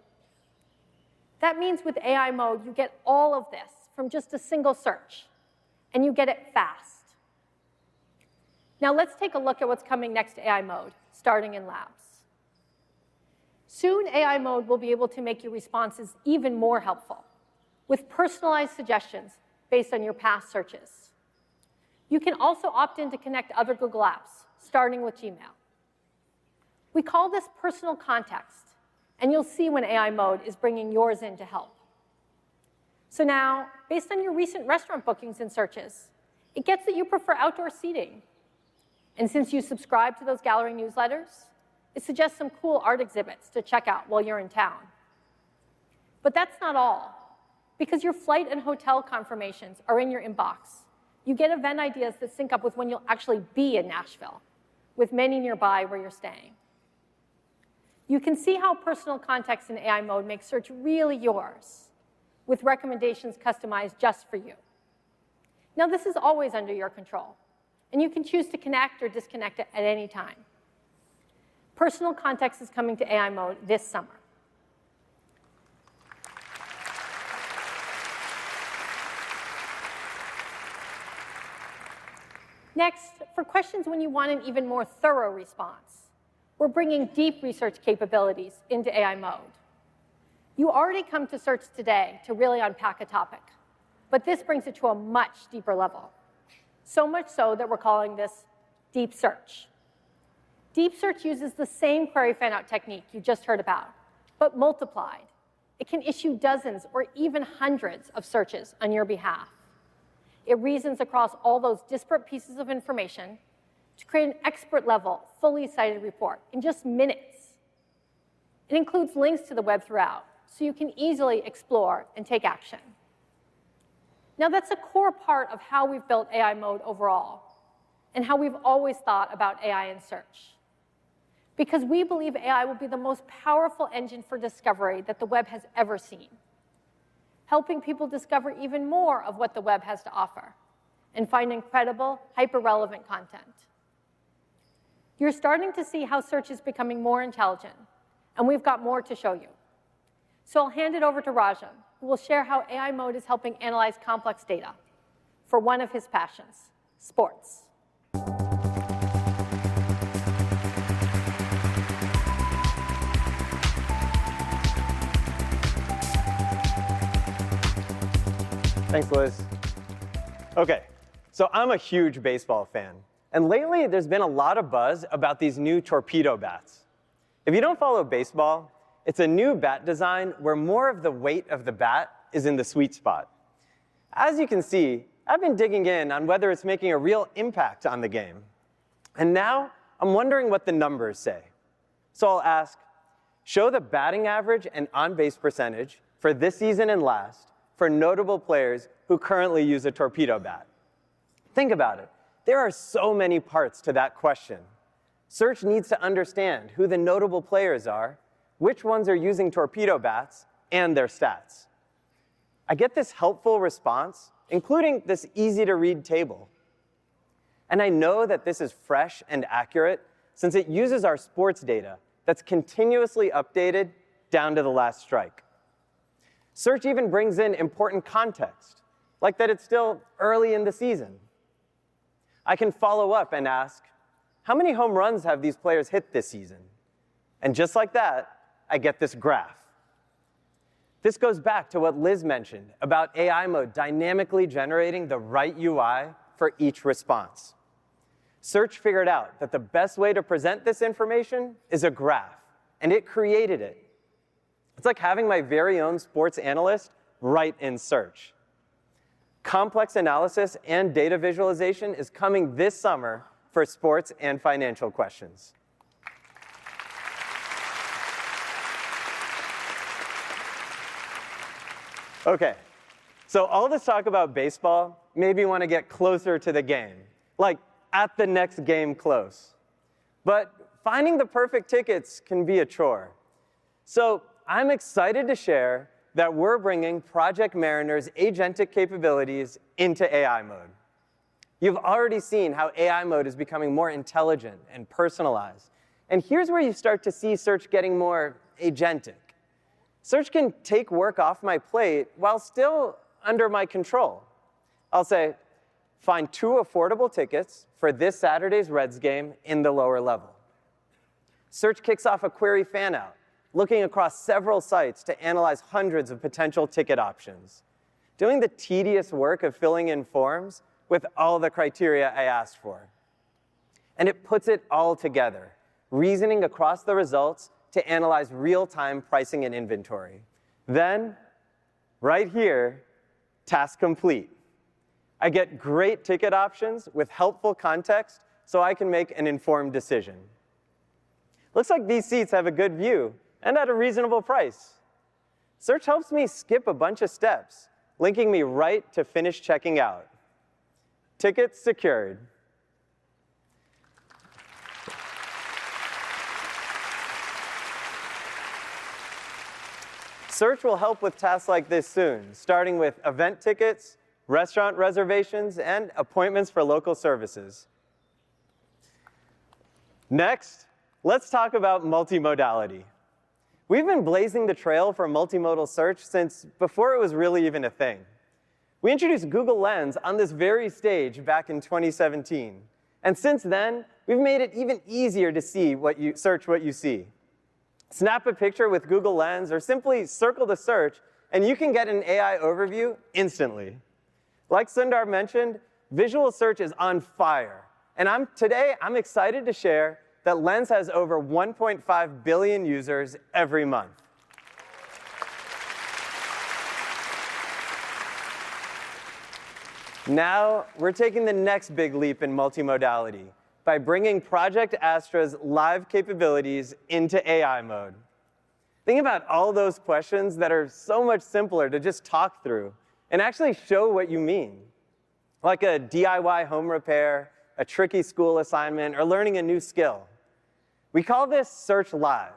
That means with AI mode, you get all of this from just a single search, and you get it fast. Now, let's take a look at what's coming next to AI mode, starting in Labs. Soon, AI mode will be able to make your responses even more helpful with personalized suggestions based on your past searches. You can also opt in to connect other Google apps, starting with Gmail. We call this personal context, and you'll see when AI mode is bringing yours in to help. Now, based on your recent restaurant bookings and searches, it gets that you prefer outdoor seating. Since you subscribe to those gallery newsletters, it suggests some cool art exhibits to check out while you're in town. That's not all. Because your flight and hotel confirmations are in your inbox, you get event ideas that sync up with when you'll actually be in Nashville, with many nearby where you're staying. You can see how personal context in AI mode makes Google Search really yours, with recommendations customized just for you. Now, this is always under your control, and you can choose to connect or disconnect at any time. Personal context is coming to AI mode this summer. Next, for questions when you want an even more thorough response, we're bringing deep research capabilities into AI mode. You already come to Google Search today to really unpack a topic. But this brings it to a much deeper level, so much so that we're calling this Deep Search. Deep Search uses the same query fan-out technique you just heard about, but multiplied. It can issue dozens or even hundreds of searches on your behalf. It reasons across all those disparate pieces of information to create an expert-level, fully cited report in just minutes. It includes links to the web throughout so you can easily explore and take action. That's a core part of how we've built AI mode overall and how we've always thought about AI and Google Search. We believe AI will be the most powerful engine for discovery that the web has ever seen, helping people discover even more of what the web has to offer and find incredible, hyper-relevant content. You're starting to see how Google Search is becoming more intelligent, and we've got more to show you. I'll hand it over to Rajan, who will share how AI mode is helping analyze complex data for one of his passions, sports. Thanks, Liz. OK, so I'm a huge baseball fan. And lately, there's been a lot of buzz about these new torpedo bats. If you don't follow baseball, it's a new bat design where more of the weight of the bat is in the sweet spot. As you can see, I've been digging in on whether it's making a real impact on the game. Now I'm wondering what the numbers say. I'll ask, show the batting average and on-base percentage for this season and last for notable players who currently use a torpedo bat. Think about it. There are so many parts to that question. Google Search needs to understand who the notable players are, which ones are using torpedo bats, and their stats. I get this helpful response, including this easy-to-read table. I know that this is fresh and accurate since it uses our sports data that's continuously updated down to the last strike. Google Search even brings in important context, like that it's still early in the season. I can follow up and ask, how many home runs have these players hit this season? Just like that, I get this graph. This goes back to what Liz mentioned about AI mode dynamically generating the right UI for each response. Google Search figured out that the best way to present this information is a graph, and it created it. It's like having my very own sports analyst right in Google Search. Complex analysis and data visualization is coming this summer for sports and financial questions. All this talk about baseball, maybe you want to get closer to the game, like at the next game close. But finding the perfect tickets can be a chore. So I'm excited to share that we're bringing Project Mariner's agentic capabilities into AI mode. You've already seen how AI mode is becoming more intelligent and personalized. Here's where you start to see Google Search getting more agentic. Google Search can take work off my plate while still under my control. I'll say, find two affordable tickets for this Saturday's Reds game in the lower level. Google Search kicks off a query fan-out, looking across several sites to analyze hundreds of potential ticket options, doing the tedious work of filling in forms with all the criteria I asked for. It puts it all together, reasoning across the results to analyze real-time pricing and inventory. Then, right here, task complete. I get great ticket options with helpful context so I can make an informed decision. Looks like these seats have a good view and at a reasonable price. Google Search helps me skip a bunch of steps, linking me right to finish checking out. Tickets secured. Google Search will help with tasks like this soon, starting with event tickets, restaurant reservations, and appointments for local services. Next, let's talk about multimodality. We've been blazing the trail for multimodal search since before it was really even a thing. We introduced Google Lens on this very stage back in 2017. Since then, we've made it even easier to see what you see. Snap a picture with Google Lens or simply circle the search, and you can get an AI overview instantly. Like Sundar mentioned, visual search is on fire. Today, I'm excited to share that Lens has over 1.5 billion users every month. Now, we're taking the next big leap in multimodality by bringing Project Astra's live capabilities into AI mode. Think about all those questions that are so much simpler to just talk through and actually show what you mean, like a DIY home repair, a tricky school assignment, or learning a new skill. We call this Google Search Live.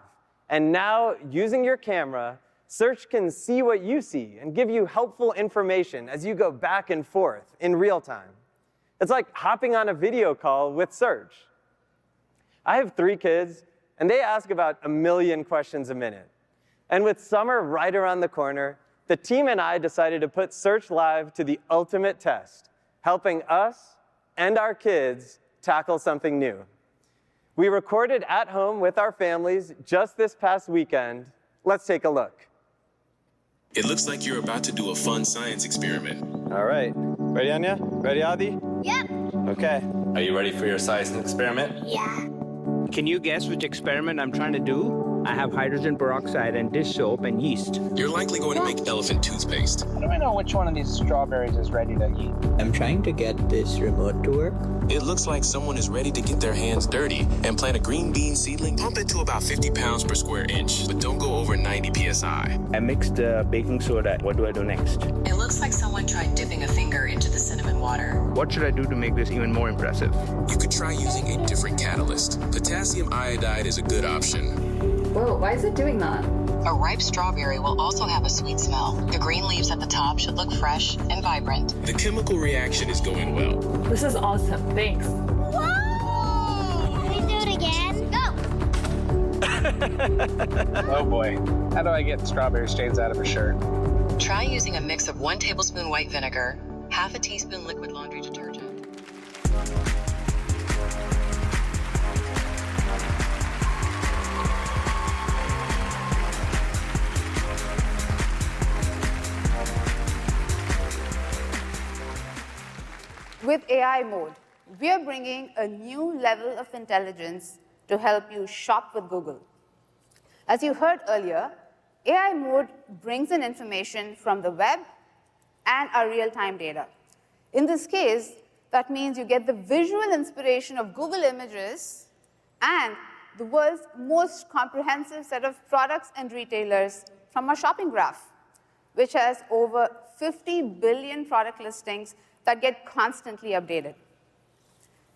Now, using your camera, Google Search can see what you see and give you helpful information as you go back and forth in real time. It's like hopping on a video call with Google Search. I have three kids, and they ask about a million questions a minute. With summer right around the corner, the team and I decided to put Google Search Live to the ultimate test, helping us and our kids tackle something new. We recorded at home with our families just this past weekend. Let's take a look. It looks like you're about to do a fun science experiment. All right. Ready, Anya? Ready, Adi? Yep. OK. Are you ready for your science experiment? Yeah. Can you guess which experiment I'm trying to do? I have hydrogen peroxide and dish soap and yeast. You're likely going to make elephant toothpaste. Let me know which one of these strawberries is ready to eat. I'm trying to get this remote to work. It looks like someone is ready to get their hands dirty and plant a green bean seedling. Pump it to about 50 pounds per square inch, but don't go over 90 psi. I mixed a baking soda. What do I do next? It looks like someone tried dipping a finger into the cinnamon water. What should I do to make this even more impressive? You could try using a different catalyst. Potassium iodide is a good option. Whoa, why is it doing that? A ripe strawberry will also have a sweet smell. The green leaves at the top should look fresh and vibrant. The chemical reaction is going well. This is awesome. Thanks. Whoa! Can we do it again? Go. Oh boy. How do I get strawberry stains out of a shirt? Try using a mix of 1 tablespoon white vinegar, 1/2 a teaspoon liquid laundry detergent. With AI mode, we are bringing a new level of intelligence to help you shop with Google. As you heard earlier, AI mode brings in information from the web and our real-time data. In this case, that means you get the visual inspiration of Google Images and the world's most comprehensive set of products and retailers from our Shopping Graph, which has over 50 billion product listings that get constantly updated.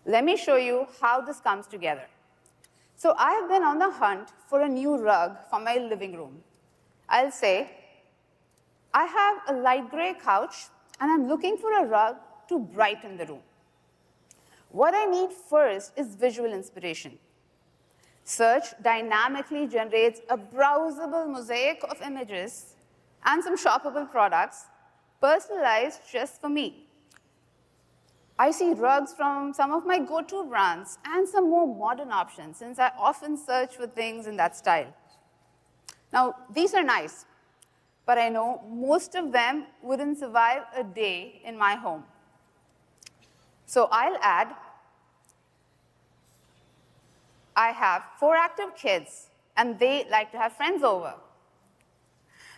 Let me show you how this comes together. I have been on the hunt for a new rug for my living room. I'll say, I have a light gray couch, and I'm looking for a rug to brighten the room. What I need first is visual inspiration. Google Search dynamically generates a browsable mosaic of images and some shoppable products personalized just for me. I see rugs from some of my go-to brands and some more modern options since I often search for things in that style. Now, these are nice, but I know most of them wouldn't survive a day in my home. So I'll add, I have four active kids, and they like to have friends over. Google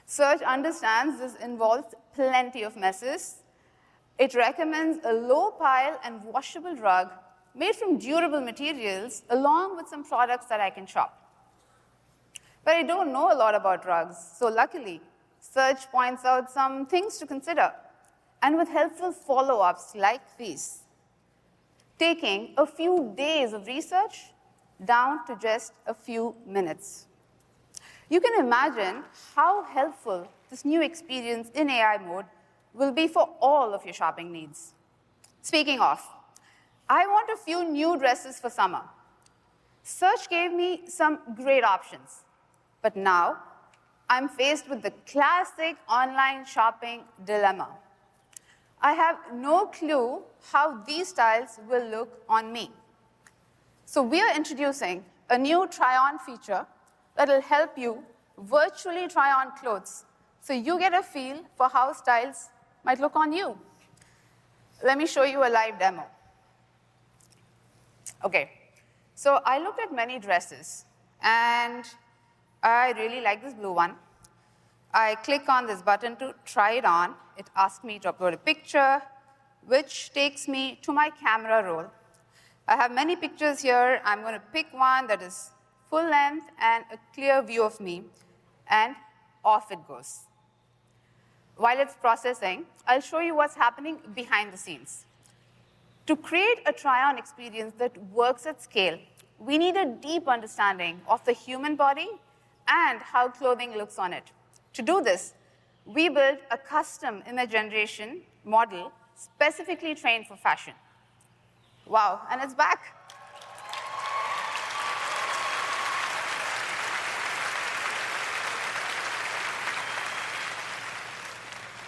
Search understands this involves plenty of messes. It recommends a low-pile and washable rug made from durable materials along with some products that I can shop. But I don't know a lot about rugs, so luckily, Google Search points out some things to consider and with helpful follow-ups like these, taking a few days of research down to just a few minutes. You can imagine how helpful this new experience in AI mode will be for all of your shopping needs. Speaking of, I want a few new dresses for summer. Search gave me some great options. But now, I'm faced with the classic online shopping dilemma. I have no clue how these styles will look on me. So we are introducing a new try-on feature that will help you virtually try on clothes so you get a feel for how styles might look on you. Let me show you a live demo. OK, so I looked at many dresses, and I really like this blue one. I click on this button to try it on. It asks me to upload a picture, which takes me to my camera roll. I have many pictures here. I'm going to pick one that is full length and a clear view of me. And off it goes. While it's processing, I'll show you what's happening behind the scenes. To create a try-on experience that works at scale, we need a deep understanding of the human body and how clothing looks on it. To do this, we built a custom image generation model specifically trained for fashion. Wow, and it's back.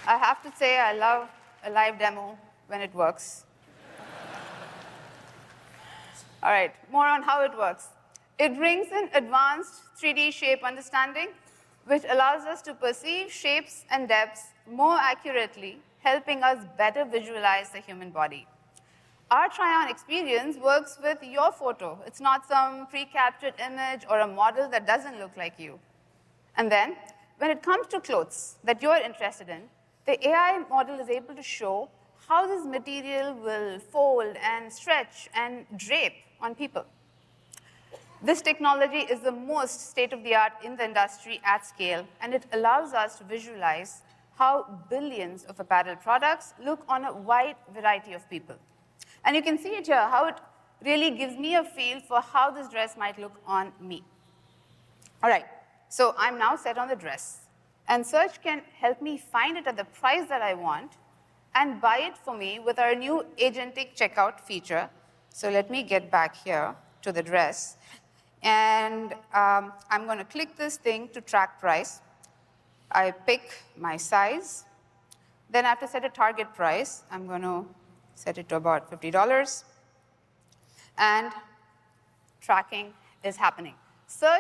I have to say, I love a live demo when it works. All right, more on how it works. It brings in advanced 3D shape understanding, which allows us to perceive shapes and depths more accurately, helping us better visualize the human body. Our try-on experience works with your photo. It's not some pre-captured image or a model that doesn't look like you. And then, when it comes to clothes that you're interested in, the AI model is able to show how this material will fold and stretch and drape on people. This technology is the most state-of-the-art in the industry at scale, and it allows us to visualize how billions of apparel products look on a wide variety of people. You can see it here, how it really gives me a feel for how this dress might look on me. All right, I'm now set on the dress. Google Search can help me find it at the price that I want and buy it for me with our new agentic checkout feature. Let me get back here to the dress. I'm going to click this thing to track price. I pick my size. Then, after I set a target price, I'm going to set it to about $50. Tracking is happening. Google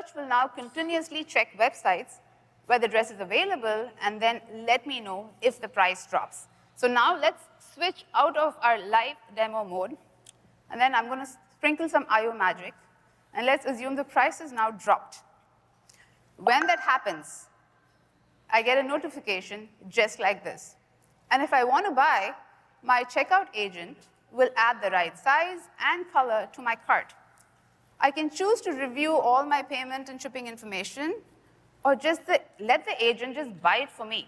Search will now continuously check websites where the dress is available and then let me know if the price drops. Now, let's switch out of our live demo mode. I'm going to sprinkle some I/O magic. Let's assume the price has now dropped. When that happens, I get a notification just like this. If I want to buy, my checkout agent will add the right size and color to my cart. I can choose to review all my payment and shipping information or just let the agent buy it for me,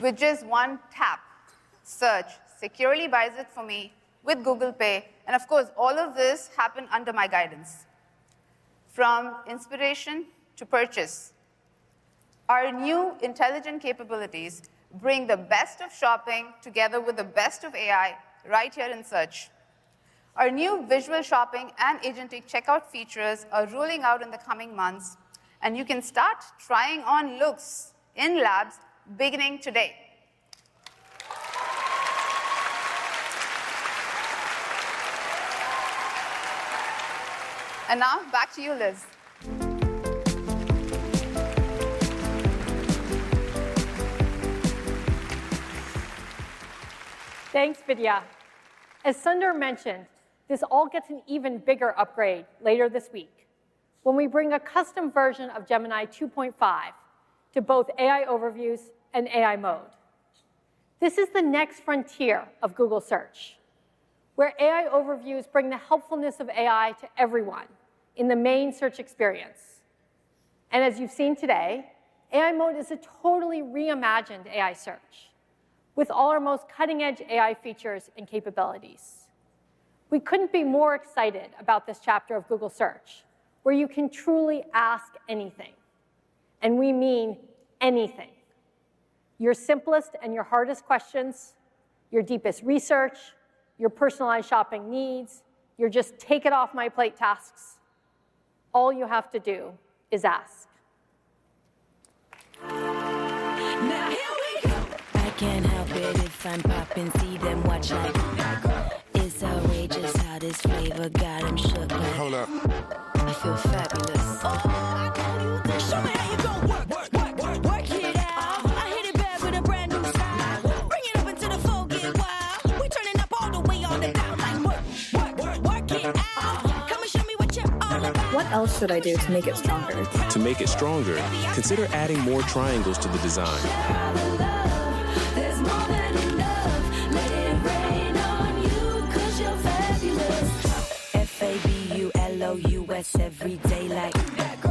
with just one tap. Google Search securely buys it for me with Google Pay. Of course, all of this happened under my guidance, from inspiration to purchase. Our new intelligent capabilities bring the best of shopping together with the best of AI right here in Search. Our new visual shopping and agentic checkout features are rolling out in the coming months. You can start trying on looks in labs beginning today. And now, back to you, Liz. Thanks, Vidhya. As Sundar mentioned, this all gets an even bigger upgrade later this week when we bring a custom version of Gemini 2.5 to both AI Overviews and AI mode. This is the next frontier of Google Search, where AI Overviews bring the helpfulness of AI to everyone in the main search experience. And as you've seen today, AI mode is a totally reimagined AI search with all our most cutting-edge AI features and capabilities. We couldn't be more excited about this chapter of Google Search, where you can truly ask anything. And we mean anything. Your simplest and your hardest questions, your deepest research, your personalized shopping needs, your just take it off my plate tasks, all you have to do is ask. Now here we go. I can't help it if I'm poppin' C then watch like that. It's outrageous how this flavor got them shook up. Hold up. I feel fabulous. Oh, I told you that. Show me how you're going to work, work, work, work it out. I hit it bad with a brand new style. Bring it up until the folk get wild. We're turning up all the way on the dial like work, work, work it out. Come and show me what you're all about. What else should I do to make it stronger? To make it stronger, consider adding more triangles to the design. There's more than enough. Let it rain on you because you're fabulous. F-A-B-U-L-O-U-S every day like that,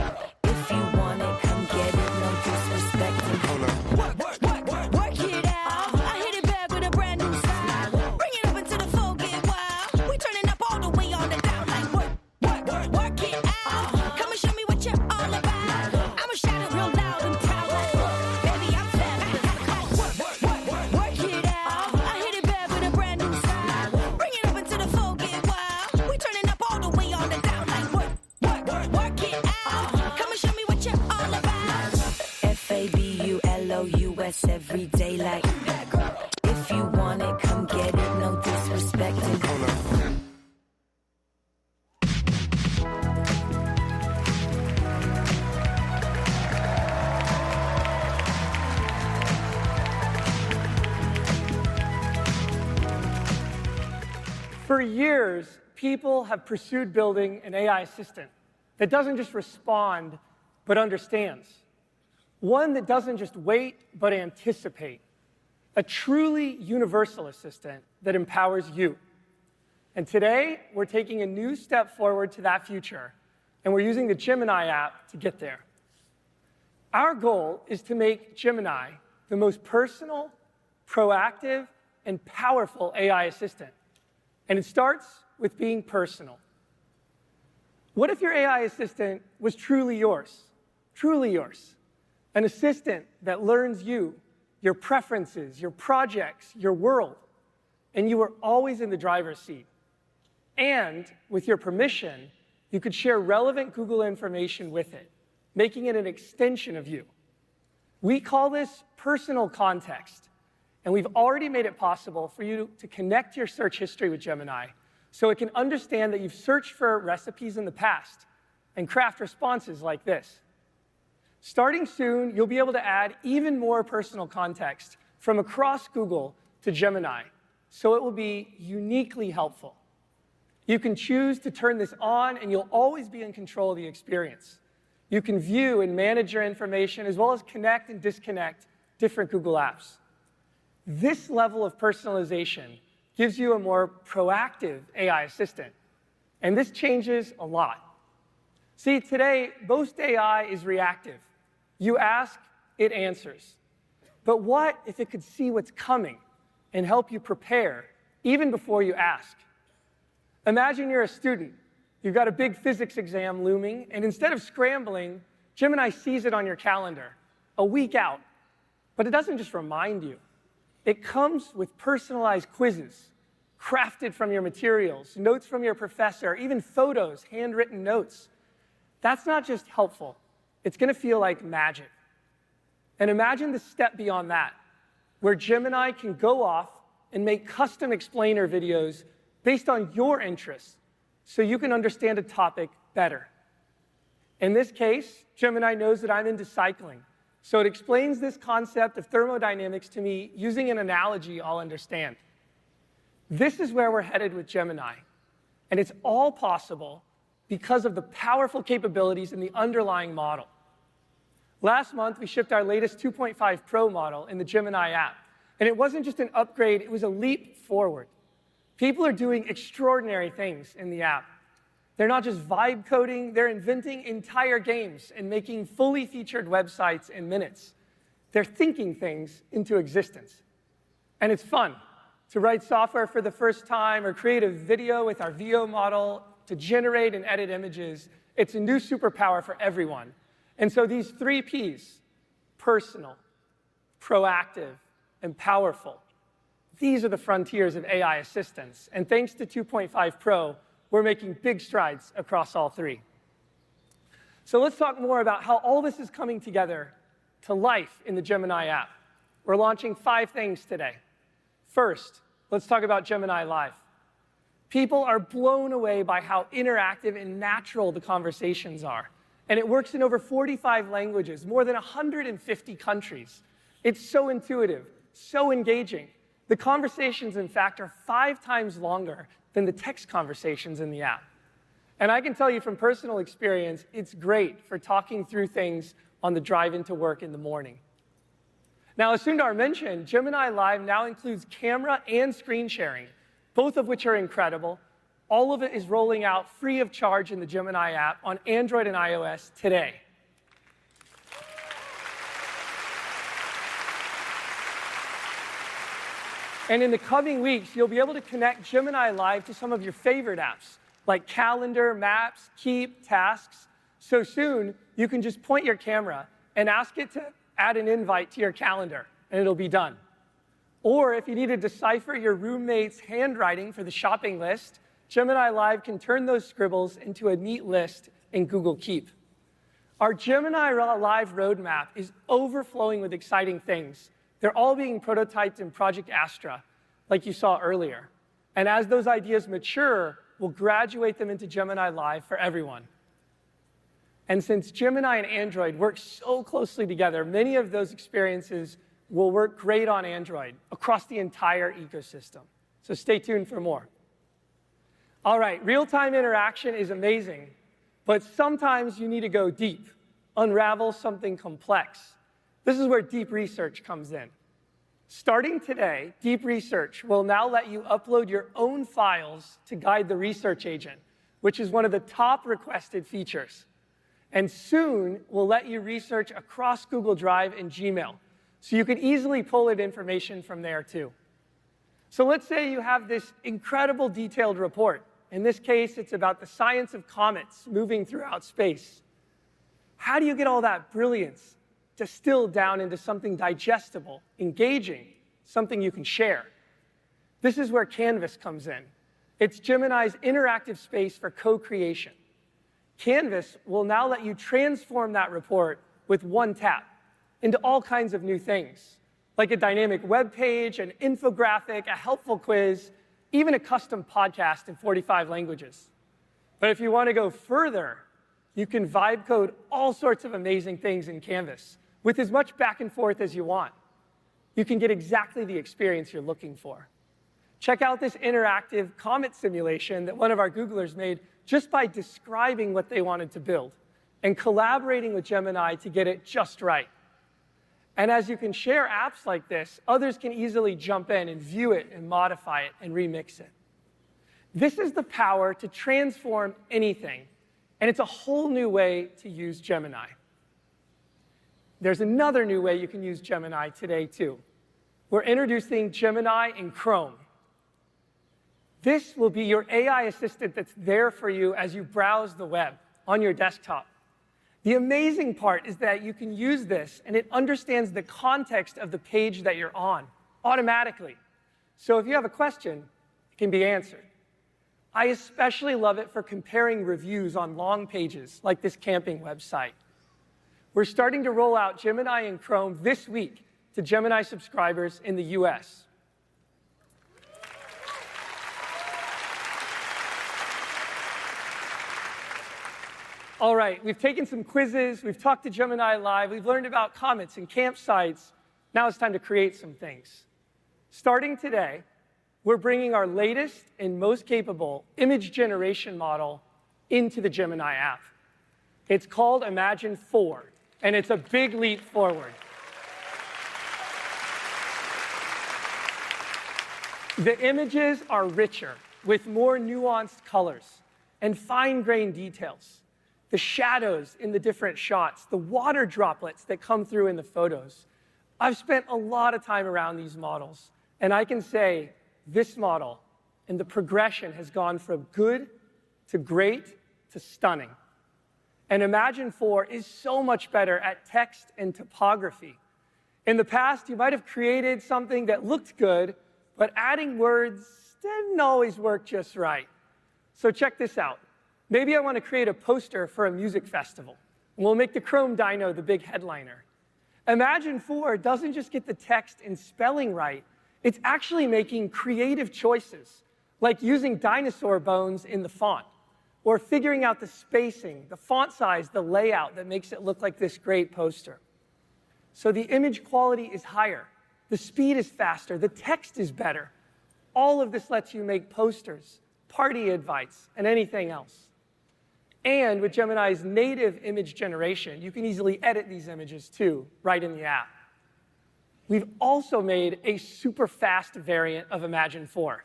with being personal. What if your AI assistant was truly yours, truly yours? An assistant that learns you, your preferences, your projects, your world, and you were always in the driver's seat. With your permission, you could share relevant Google information with it, making it an extension of you. We call this personal context. We've already made it possible for you to connect your search history with Gemini so it can understand that you've searched for recipes in the past and craft responses like this. Starting soon, you'll be able to add even more personal context from across Google to Gemini, so it will be uniquely helpful. You can choose to turn this on, and you'll always be in control of the experience. You can view and manage your information as well as connect and disconnect different Google apps. This level of personalization gives you a more proactive AI assistant. This changes a lot. See, today, most AI is reactive. You ask, it answers. But what if it could see what's coming and help you prepare even before you ask? Imagine you're a student. You've got a big physics exam looming. Instead of scrambling, Gemini sees it on your calendar a week out. But it doesn't just remind you. It comes with personalized quizzes crafted from your materials, notes from your professor, even photos, handwritten notes. That's not just helpful. It's going to feel like magic. Imagine the step beyond that, where Gemini can go off and make custom explainer videos based on your interests so you can understand a topic better. In this case, Gemini knows that I'm into cycling, so it explains this concept of thermodynamics to me using an analogy I'll understand. This is where we're headed with Gemini. It's all possible because of the powerful capabilities in the underlying model. Last month, we shipped our latest 2.5 Pro model in the Gemini app. It wasn't just an upgrade. It was a leap forward. People are doing extraordinary things in the app. They're not just vibe coding. They're inventing entire games and making fully featured websites in minutes. They're thinking things into existence. It's fun to write software for the first time or create a video with our Veo model to generate and edit images. It's a new superpower for everyone. So these three P's: personal, proactive, and powerful. These are the frontiers of AI assistance. Thanks to Gemini 2.5 Pro, we're making big strides across all three. Let's talk more about how all this is coming together to life in the Gemini app. We're launching five things today. First, let's talk about Gemini Live. People are blown away by how interactive and natural the conversations are. It works in over 45 languages, more than 150 countries. It's so intuitive, so engaging. The conversations, in fact, are five times longer than the text conversations in the app. I can tell you from personal experience, it's great for talking through things on the drive into work in the morning. Now, as Sundar mentioned, Gemini Live now includes camera and screen sharing, both of which are incredible. All of it is rolling out free of charge in the Gemini app on Android and iOS today. In the coming weeks, you'll be able to connect Gemini Live to some of your favorite apps, like Calendar, Maps, Keep, Tasks. Soon, you can just point your camera and ask it to add an invite to your calendar, and it'll be done. If you need to decipher your roommate's handwriting for the shopping list, Gemini Live can turn those scribbles into a neat list in Google Keep. Our Gemini Live roadmap is overflowing with exciting things. They're all being prototyped in Project Astra, like you saw earlier. As those ideas mature, we'll graduate them into Gemini Live for everyone. Since Gemini and Android work so closely together, many of those experiences will work great on Android across the entire ecosystem. Stay tuned for more. Real-time interaction is amazing. But sometimes you need to go deep, unravel something complex. This is where deep research comes in. Starting today, deep research will now let you upload your own files to guide the research agent, which is one of the top requested features. Soon, we'll let you research across Google Drive and Gmail so you can easily pull in information from there too. Let's say you have this incredible detailed report. In this case, it's about the science of comets moving throughout space. How do you get all that brilliance distilled down into something digestible, engaging, something you can share? This is where Canvas comes in. It's Gemini's interactive space for co-creation. Canvas will now let you transform that report with one tap into all kinds of new things, like a dynamic web page, an infographic, a helpful quiz, even a custom podcast in 45 languages. But if you want to go further, you can vibe code all sorts of amazing things in Canvas with as much back and forth as you want. You can get exactly the experience you're looking for. Check out this interactive comet simulation that one of our Googlers made just by describing what they wanted to build and collaborating with Gemini to get it just right. As you can share apps like this, others can easily jump in and view it and modify it and remix it. This is the power to transform anything. It's a whole new way to use Gemini. There's another new way you can use Gemini today too. We're introducing Gemini in Chrome. This will be your AI assistant that's there for you as you browse the web on your desktop. The amazing part is that you can use this, and it understands the context of the page that you're on automatically. So if you have a question, it can be answered. I especially love it for comparing reviews on long pages like this camping website. We're starting to roll out Gemini in Chrome this week to Gemini subscribers in the U.S. All right, we've taken some quizzes. We've talked to Gemini Live. We've learned about comets and campsites. Now it's time to create some things. Starting today, we're bringing our latest and most capable image generation model into the Gemini app. It's called Imagen 4. It's a big leap forward. The images are richer with more nuanced colors and fine-grained details. The shadows in the different shots, the water droplets that come through in the photos. I've spent a lot of time around these models. I can say this model and the progression has gone from good to great to stunning. Imagen 4 is so much better at text and typography. In the past, you might have created something that looked good, but adding words didn't always work just right. Check this out. Maybe I want to create a poster for a music festival. We'll make the Chrome Dino the big headliner. Imagen 4 doesn't just get the text and spelling right. It's actually making creative choices, like using dinosaur bones in the font or figuring out the spacing, the font size, the layout that makes it look like this great poster. The image quality is higher. The speed is faster. The text is better. All of this lets you make posters, party invites, and anything else. With Gemini's native image generation, you can easily edit these images too right in the app. We've also made a super fast variant of Imagen 4.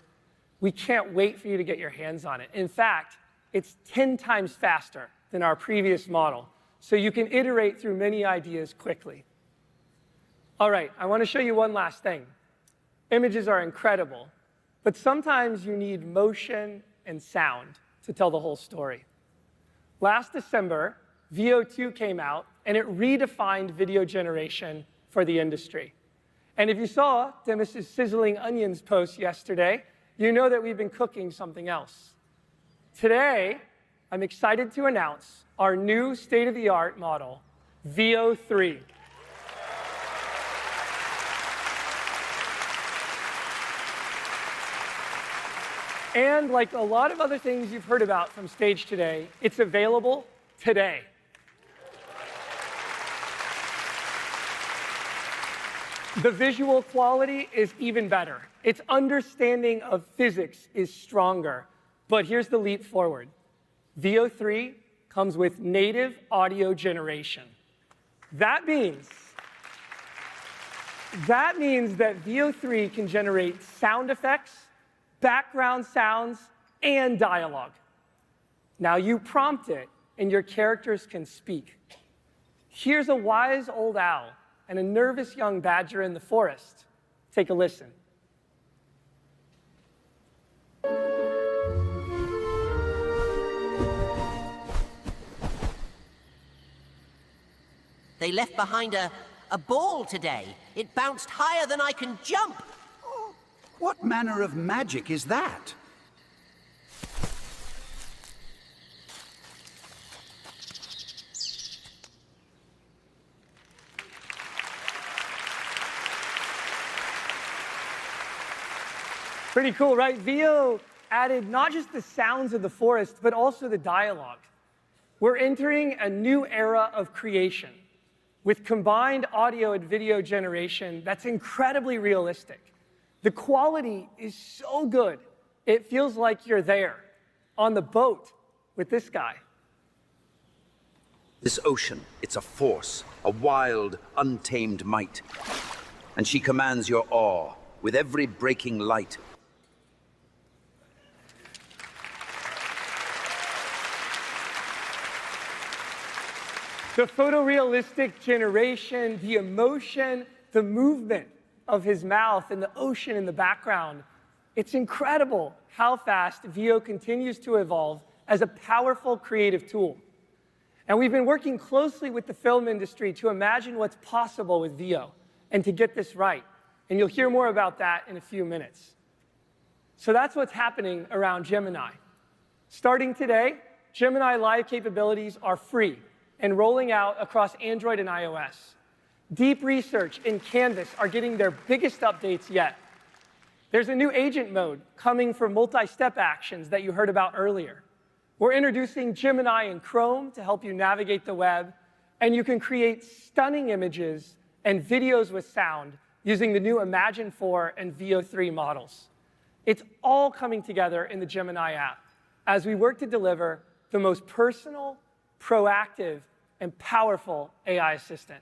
We can't wait for you to get your hands on it. In fact, it's 10x faster than our previous model. So you can iterate through many ideas quickly. I want to show you one last thing. Images are incredible. But sometimes you need motion and sound to tell the whole story. Last December, Veo 2 came out, and it redefined video generation for the industry. If you saw Demis's sizzling onions post yesterday, you know that we've been cooking something else. Today, I'm excited to announce our new state-of-the-art model, Veo 3. Like a lot of other things you've heard about from stage today, it's available today. The visual quality is even better. Its understanding of physics is stronger. But here's the leap forward. Veo 3 comes with native audio generation. That means that Veo 3 can generate sound effects, background sounds, and dialogue. Now you prompt it, and your characters can speak. Here's a wise old owl and a nervous young badger in the forest. Take a listen. They left behind a ball today. It bounced higher than I can jump. What manner of magic is that? Pretty cool, right? Veo added not just the sounds of the forest, but also the dialogue. We're entering a new era of creation with combined audio and video generation that's incredibly realistic. The quality is so good. It feels like you're there on the boat with this guy. This ocean, it's a force, a wild, untamed might. She commands your awe with every breaking light. The photorealistic generation, the emotion, the movement of his mouth, and the ocean in the background. It's incredible how fast Veo continues to evolve as a powerful creative tool. We've been working closely with the film industry to imagine what's possible with Veo and to get this right. You'll hear more about that in a few minutes. That's what's happening around Gemini. Starting today, Gemini Live capabilities are free and rolling out across Android and iOS. Deep Research and Canvas are getting their biggest updates yet. There's a new agent mode coming for multi-step actions that you heard about earlier. We're introducing Gemini in Chrome to help you navigate the web. You can create stunning images and videos with sound using the new Imagen 4 and Veo 3 models. It's all coming together in the Gemini app as we work to deliver the most personal, proactive, and powerful AI assistant.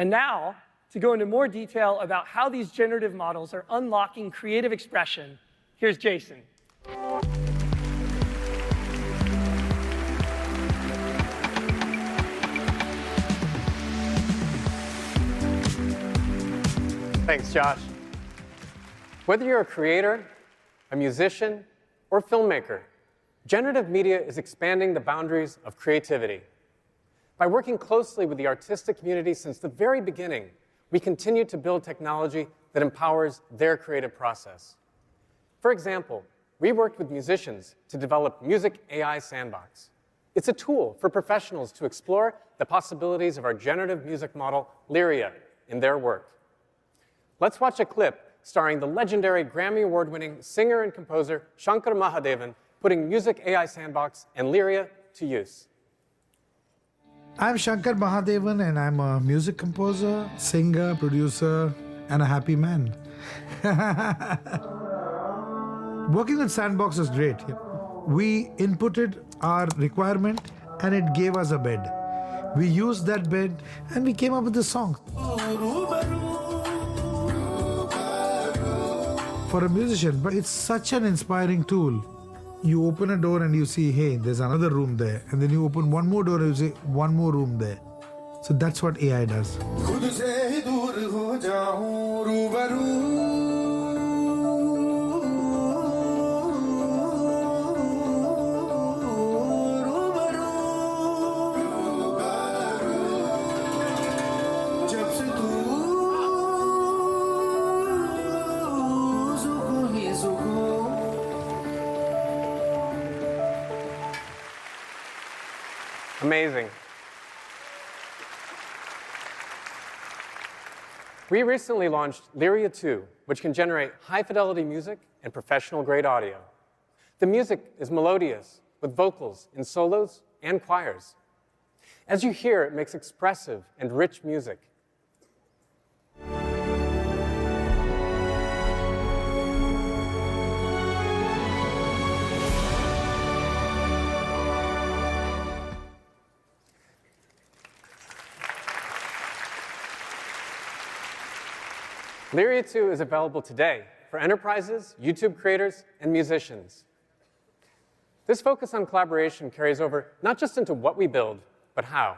And now, to go into more detail about how these generative models are unlocking creative expression, here's Jason. Thanks, Josh. Whether you're a creator, a musician, or a filmmaker, generative media is expanding the boundaries of creativity. By working closely with the artistic community since the very beginning, we continue to build technology that empowers their creative process. For example, we worked with musicians to develop Music AI Sandbox. It's a tool for professionals to explore the possibilities of our generative music model, Lyria, in their work. Let's watch a clip starring the legendary Grammy Award-winning singer and composer, Shankar Mahadevan, putting Music AI Sandbox and Lyria to use. I'm Shankar Mahadevan, and I'm a music composer, singer, producer, and a happy man. Working with Music AI Sandbox was great. We inputted our requirement, and it gave us a bed. We used that bed, and we came up with this song. For a musician, it's such an inspiring tool. You open a door and you see, hey, there's another room there. You open one more door and you see one more room there. That's what AI does. Amazing. We recently launched Lyria 2, which can generate high-fidelity music and professional-grade audio. The music is melodious, with vocals in solos and choirs. As you hear, it makes expressive and rich music. Lyria 2 is available today for enterprises, YouTube creators, and musicians. This focus on collaboration carries over not just into what we build, but how.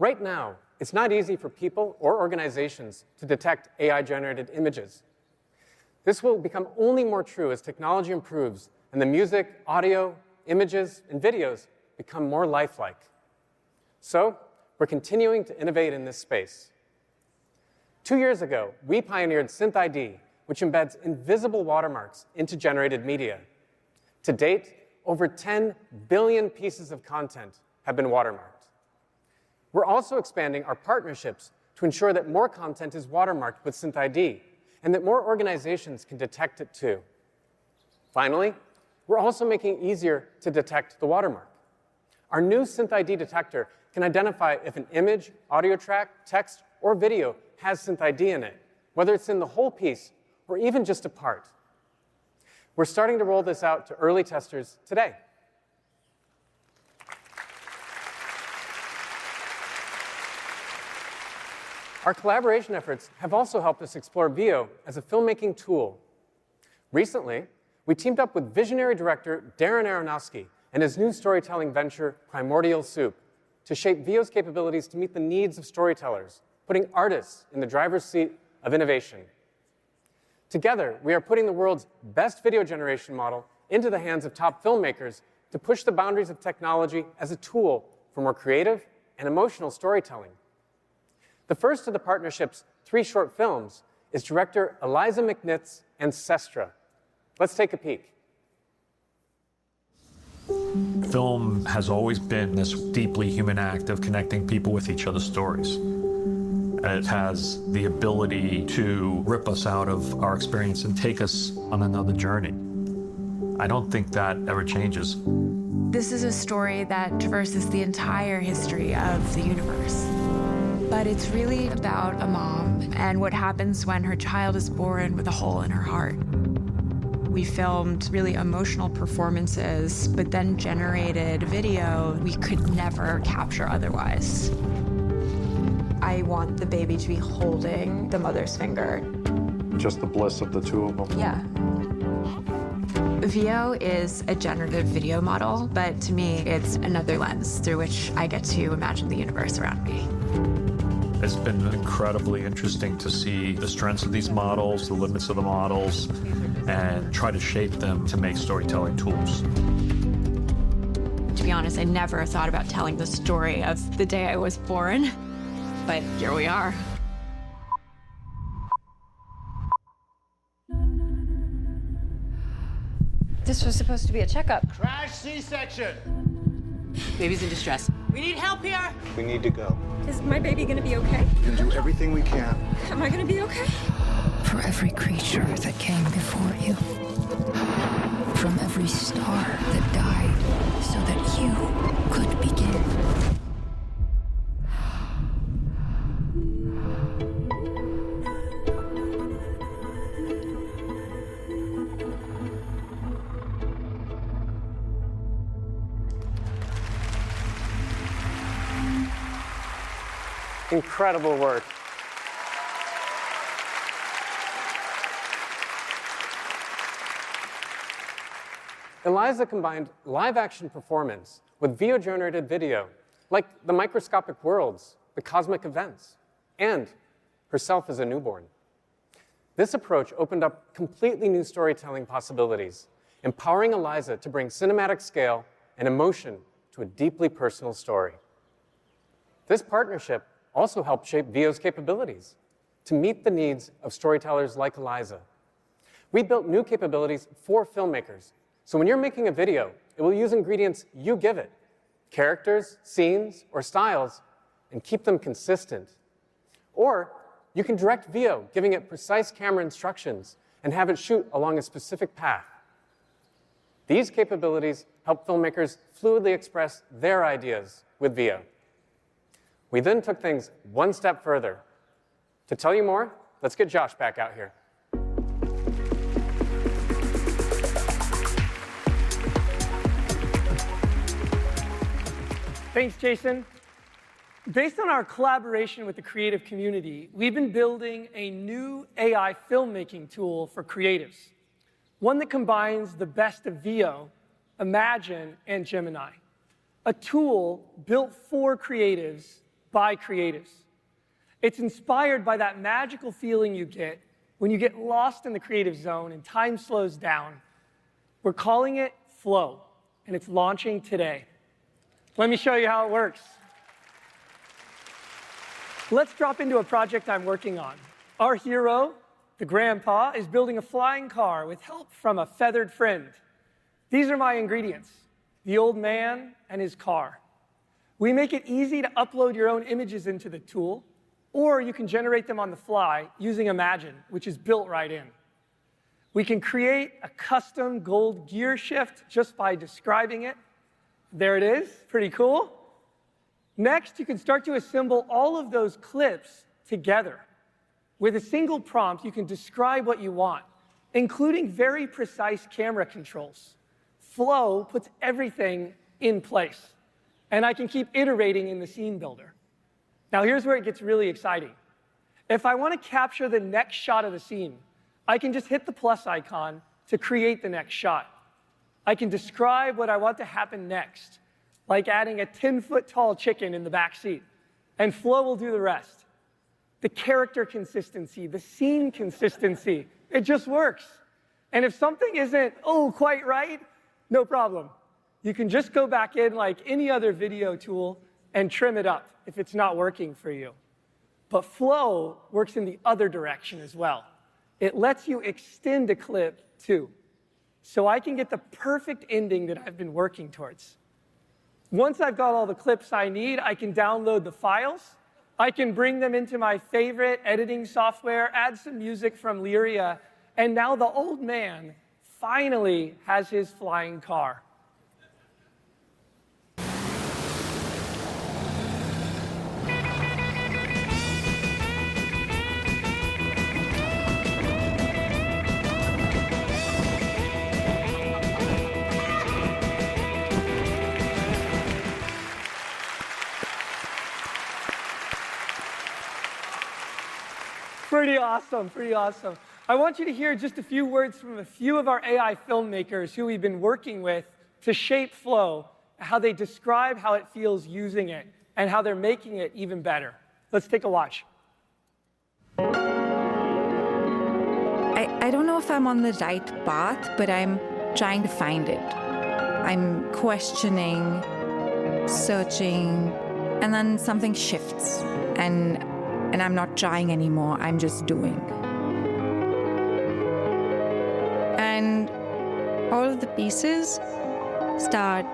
Right now, it's not easy for people or organizations to detect AI-generated images. This will become only more true as technology improves and the music, audio, images, and videos become more lifelike. We're continuing to innovate in this space. Two years ago, we pioneered SynthID, which embeds invisible watermarks into generated media. To date, over 10 billion pieces of content have been watermarked. We're also expanding our partnerships to ensure that more content is watermarked with SynthID and that more organizations can detect it too. Finally, we're also making it easier to detect the watermark. Our new SynthID detector can identify if an image, audio track, text, or video has SynthID in it, whether it's in the whole piece or even just a part. We're starting to roll this out to early testers today. Our collaboration efforts have also helped us explore Veo as a filmmaking tool. Recently, we teamed up with visionary director Darren Aronofsky and his new storytelling venture, Primordial Soup, to shape Veo's capabilities to meet the needs of storytellers, putting artists in the driver's seat of innovation. Together, we are putting the world's best video generation model into the hands of top filmmakers to push the boundaries of technology as a tool for more creative and emotional storytelling. The first of the partnership's three short films is director Eliza McNitt's Ancestra. Let's take a peek. Film has always been this deeply human act of connecting people with each other's stories. It has the ability to rip us out of our experience and take us on another journey. I don't think that ever changes. This is a story that traverses the entire history of the universe. But it's really about a mom and what happens when her child is born with a hole in her heart. We filmed really emotional performances, but then generated video we could never capture otherwise. I want the baby to be holding the mother's finger. Just the bliss of the two of them. Yeah. Veo is a generative video model. But to me, it's another lens through which I get to imagine the universe around me. It's been incredibly interesting to see the strengths of these models, the limits of the models, and try to shape them to make storytelling tools. To be honest, I never thought about telling the story of the day I was born. But here we are. This was supposed to be a checkup. Crash C-section. Baby's in distress. We need help here. We need to go. Is my baby going to be OK? We can do everything we can. Am I going to be OK? From every creature that came before you, from every star that died so that you could begin. Incredible work. Eliza combined live-action performance with video generated video, like the microscopic worlds, the cosmic events, and herself as a newborn. This approach opened up completely new storytelling possibilities, empowering Eliza to bring cinematic scale and emotion to a deeply personal story. This partnership also helped shape Veo's capabilities to meet the needs of storytellers like Eliza. We built new capabilities for filmmakers. When you're making a video, it will use ingredients you give it, characters, scenes, or styles, and keep them consistent. You can direct Veo, giving it precise camera instructions and have it shoot along a specific path. These capabilities help filmmakers fluidly express their ideas with Veo. We then took things one step further. To tell you more, let's get Josh back out here. Thanks, Jason. Based on our collaboration with the creative community, we've been building a new AI filmmaking tool for creatives, one that combines the best of Veo, Imagen, and Gemini, a tool built for creatives by creatives. It's inspired by that magical feeling you get when you get lost in the creative zone and time slows down. We're calling it Flow, and it's launching today. Let me show you how it works. Let's drop into a project I'm working on. Our hero, the grandpa, is building a flying car with help from a feathered friend. These are my ingredients: the old man and his car. We make it easy to upload your own images into the tool, or you can generate them on the fly using Imagine, which is built right in. We can create a custom gold gear shift just by describing it. There it is. Pretty cool. Next, you can start to assemble all of those clips together. With a single prompt, you can describe what you want, including very precise camera controls. Flow puts everything in place, and I can keep iterating in the scene builder. Now, here's where it gets really exciting. If I want to capture the next shot of the scene, I can just hit the plus icon to create the next shot. I can describe what I want to happen next, like adding a 10-foot tall chicken in the back seat, and Flow will do the rest. The character consistency, the scene consistency, it just works. If something isn't quite right, no problem. You can just go back in like any other video tool and trim it up if it's not working for you. But Flow works in the other direction as well. It lets you extend a clip too. So I can get the perfect ending that I've been working towards. Once I've got all the clips I need, I can download the files. I can bring them into my favorite editing software, add some music from Lyria. And now the old man finally has his flying car. Pretty awesome, pretty awesome. I want you to hear just a few words from a few of our AI filmmakers who we've been working with to shape Flow, how they describe how it feels using it, and how they're making it even better. Let's take a watch. I don't know if I'm on the right path, but I'm trying to find it. I'm questioning, searching, and then something shifts, and I'm not trying anymore. I'm just doing. All of the pieces start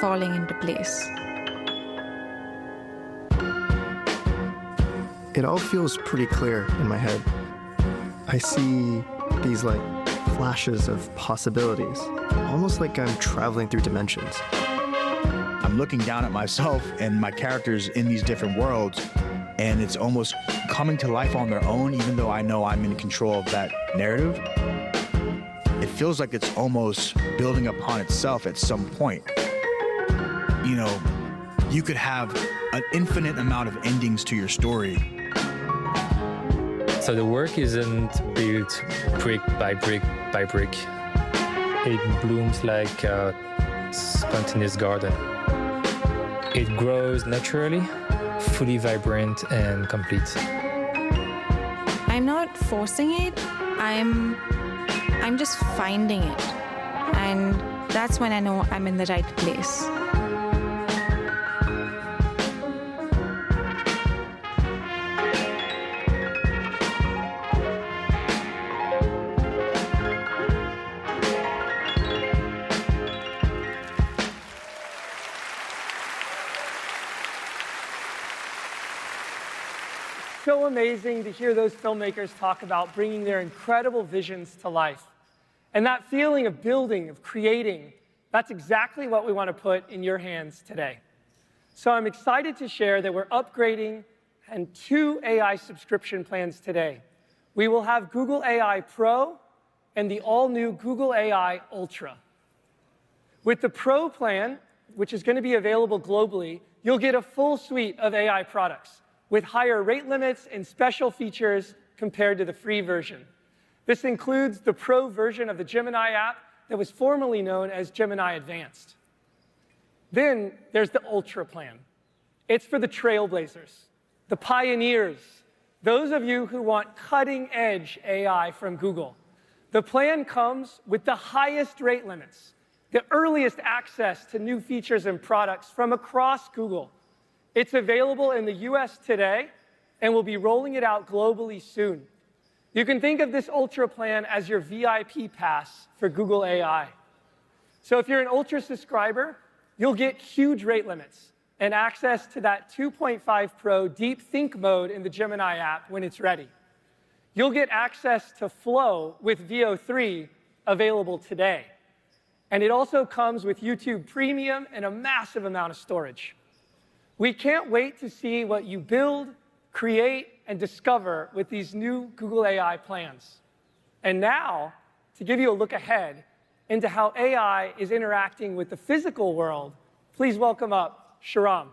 falling into place. It all feels pretty clear in my head. I see these like flashes of possibilities, almost like I'm traveling through dimensions. I'm looking down at myself and my characters in these different worlds, and it's almost coming to life on their own, even though I know I'm in control of that narrative. It feels like it's almost building upon itself at some point. You know, you could have an infinite amount of endings to your story. The work isn't built brick-by-brick-by-brick. It blooms like a spontaneous garden. It grows naturally, fully vibrant and complete. I'm not forcing it. I'm just finding it. That's when I know I'm in the right place. Amazing to hear those filmmakers talk about bringing their incredible visions to life. That feeling of building, of creating, that's exactly what we want to put in your hands today. I'm excited to share that we're upgrading to AI subscription plans today. We will have Google AI Pro and the all-new Google AI Ultra. With the Pro plan, which is going to be available globally, you'll get a full suite of AI products with higher rate limits and special features compared to the free version. This includes the Pro version of the Gemini app that was formerly known as Gemini Advanced. Then there's the Ultra plan. It's for the trailblazers, the pioneers, those of you who want cutting-edge AI from Google. The plan comes with the highest rate limits, the earliest access to new features and products from across Google. It's available in the U.S. today and will be rolling it out globally soon. You can think of this Ultra plan as your VIP pass for Google AI. If you're an Ultra subscriber, you'll get huge rate limits and access to that Gemini 2.5 Pro Deep Think mode in the Gemini app when it's ready. You'll get access to Flow with Veo 3 available today. It also comes with YouTube Premium and a massive amount of storage. We can't wait to see what you build, create, and discover with these new Google AI plans. Now, to give you a look ahead into how AI is interacting with the physical world, please welcome up Shahram.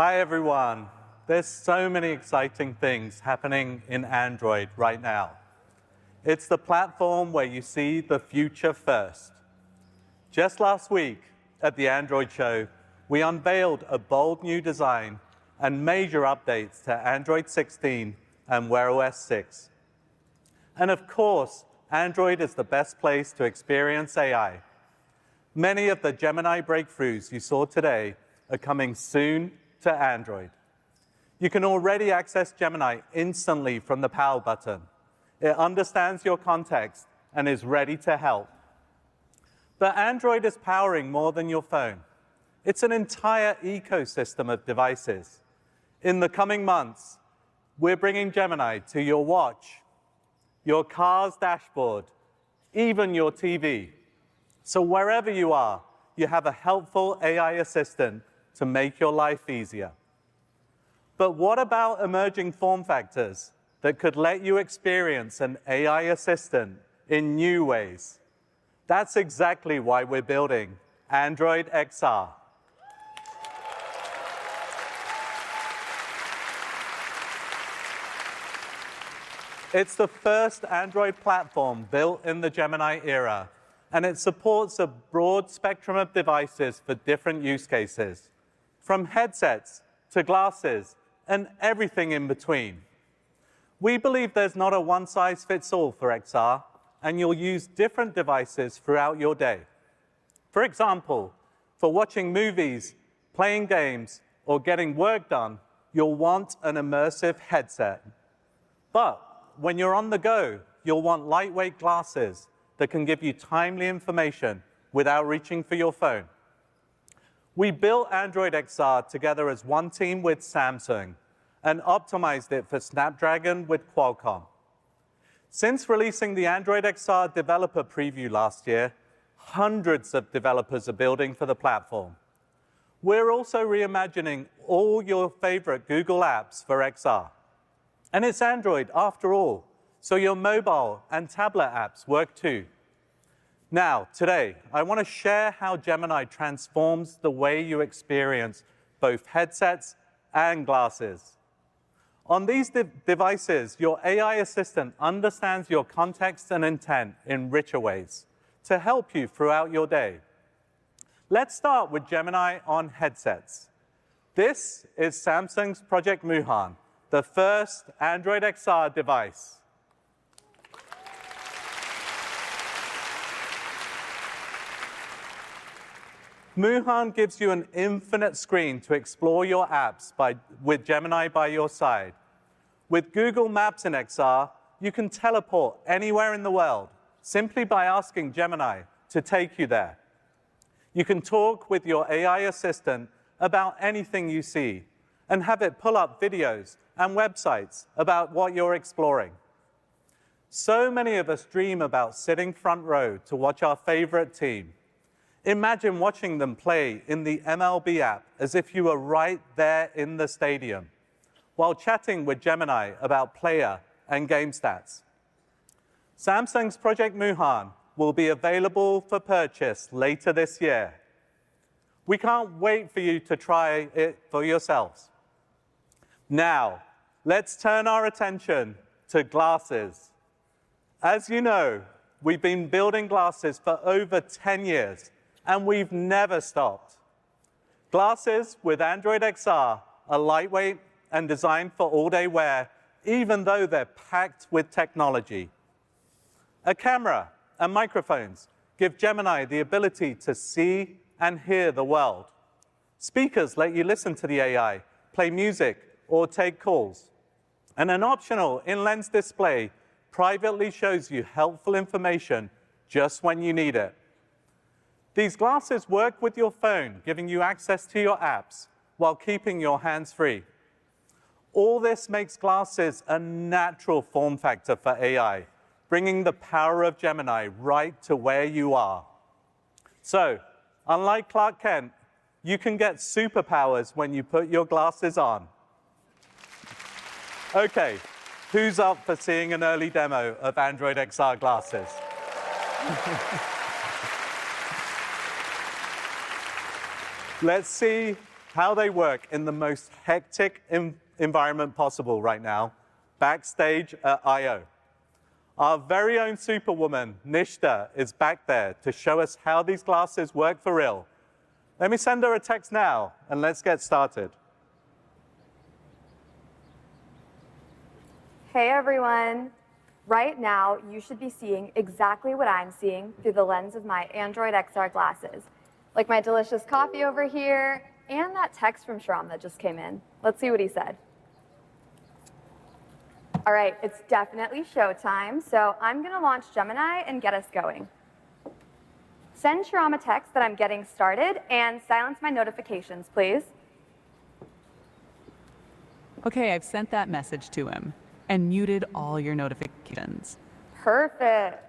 Hi, everyone. There's many exciting things happening in Android right now. It's the platform where you see the future first. Just last week at the Android show, we unveiled a bold new design and major updates to Android 16 and Wear OS 6. Of course, Android is the best place to experience AI. Many of the Gemini breakthroughs you saw today are coming soon to Android. You can already access Gemini instantly from the power button. It understands your context and is ready to help. But Android is powering more than your phone. It's an entire ecosystem of devices. In the coming months, we're bringing Gemini to your watch, your car's dashboard, even your TV. So wherever you are, you have a helpful AI assistant to make your life easier. But what about emerging form factors that could let you experience an AI assistant in new ways? That's exactly why we're building Android XR. It's the first Android platform built in the Gemini era, and it supports a broad spectrum of devices for different use cases, from headsets to glasses and everything in between. We believe there's not a one-size-fits-all for Android XR, and you'll use different devices throughout your day. For example, for watching movies, playing games, or getting work done, you'll want an immersive headset. But when you're on the go, you'll want lightweight glasses that can give you timely information without reaching for your phone. We built Android XR together as one team with Samsung and optimized it for Snapdragon with Qualcomm. Since releasing the Android XR developer preview last year, hundreds of developers are building for the platform. We're also reimagining all your favorite Google apps for Android XR. And it's Android, after all, so your mobile and tablet apps work too. Now, today, I want to share how Gemini transforms the way you experience both headsets and glasses. On these devices, your AI assistant understands your context and intent in richer ways to help you throughout your day. Let's start with Gemini on headsets. This is Samsung's Project Moohan, the first Android XR device. Moohan gives you an infinite screen to explore your apps with Gemini by your side. With Google Maps in Android XR, you can teleport anywhere in the world simply by asking Gemini to take you there. You can talk with your AI assistant about anything you see and have it pull up videos and websites about what you're exploring. So many of us dream about sitting front row to watch our favorite team. Imagine watching them play in the MLB app as if you were right there in the stadium while chatting with Gemini about player and game stats. Samsung's Project Moohan will be available for purchase later this year. We can't wait for you to try it for yourselves. Now, let's turn our attention to glasses. As you know, we've been building glasses for over 10 years, and we've never stopped. Glasses with Android XR are lightweight and designed for all-day wear, even though they're packed with technology. A camera and microphones give Gemini the ability to see and hear the world. Speakers let you listen to the AI, play music, or take calls. An optional in-lens display privately shows you helpful information just when you need it. These glasses work with your phone, giving you access to your apps while keeping your hands free. All this makes glasses a natural form factor for AI, bringing the power of Gemini right to where you are. Unlike Clark Kent, you can get superpowers when you put your glasses on. Who's up for seeing an early demo of Android XR glasses? Let's see how they work in the most hectic environment possible right now, backstage at I/O. Our very own superwoman, Nishtha, is back there to show us how these glasses work for real. Let me send her a text now, and let's get started. Hey, everyone. Right now, you should be seeing exactly what I'm seeing through the lens of my Android XR glasses, like my delicious coffee over here and that text from Shahram that just came in. Let's see what he said. All right, it's definitely showtime, so I'm going to launch Gemini and get us going. Send Shahram a text that I'm getting started and silence my notifications, please. OK, I've sent that message to him and muted all your notifications. Perfect.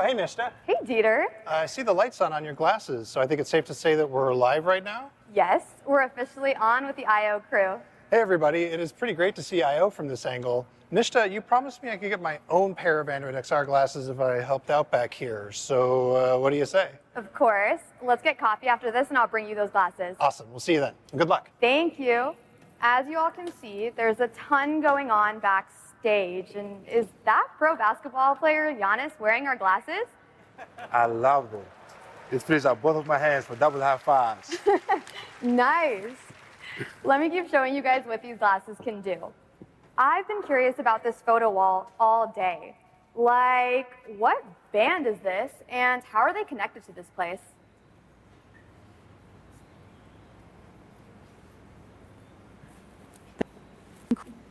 Hey, Nishtha. Hey, Dieter. I see the lights on on your glasses, so I think it's safe to say that we're live right now. Yes, we're officially on with the I/O crew. Hey, everybody. It is pretty great to see I/O from this angle. Nishtha, you promised me I could get my own pair of Android XR glasses if I helped out back here. So what do you say? Of course. Let's get coffee after this, and I'll bring you those glasses. Awesome. We'll see you then. Good luck. Thank you. As you all can see, there's a ton going on backstage. Is that pro basketball player Giannis wearing our glasses? I love them. This fits on both of my hands for double high fives. Nice. Let me keep showing you guys what these glasses can do. I've been curious about this photo wall all day. Like, what band is this, and how are they connected to this place?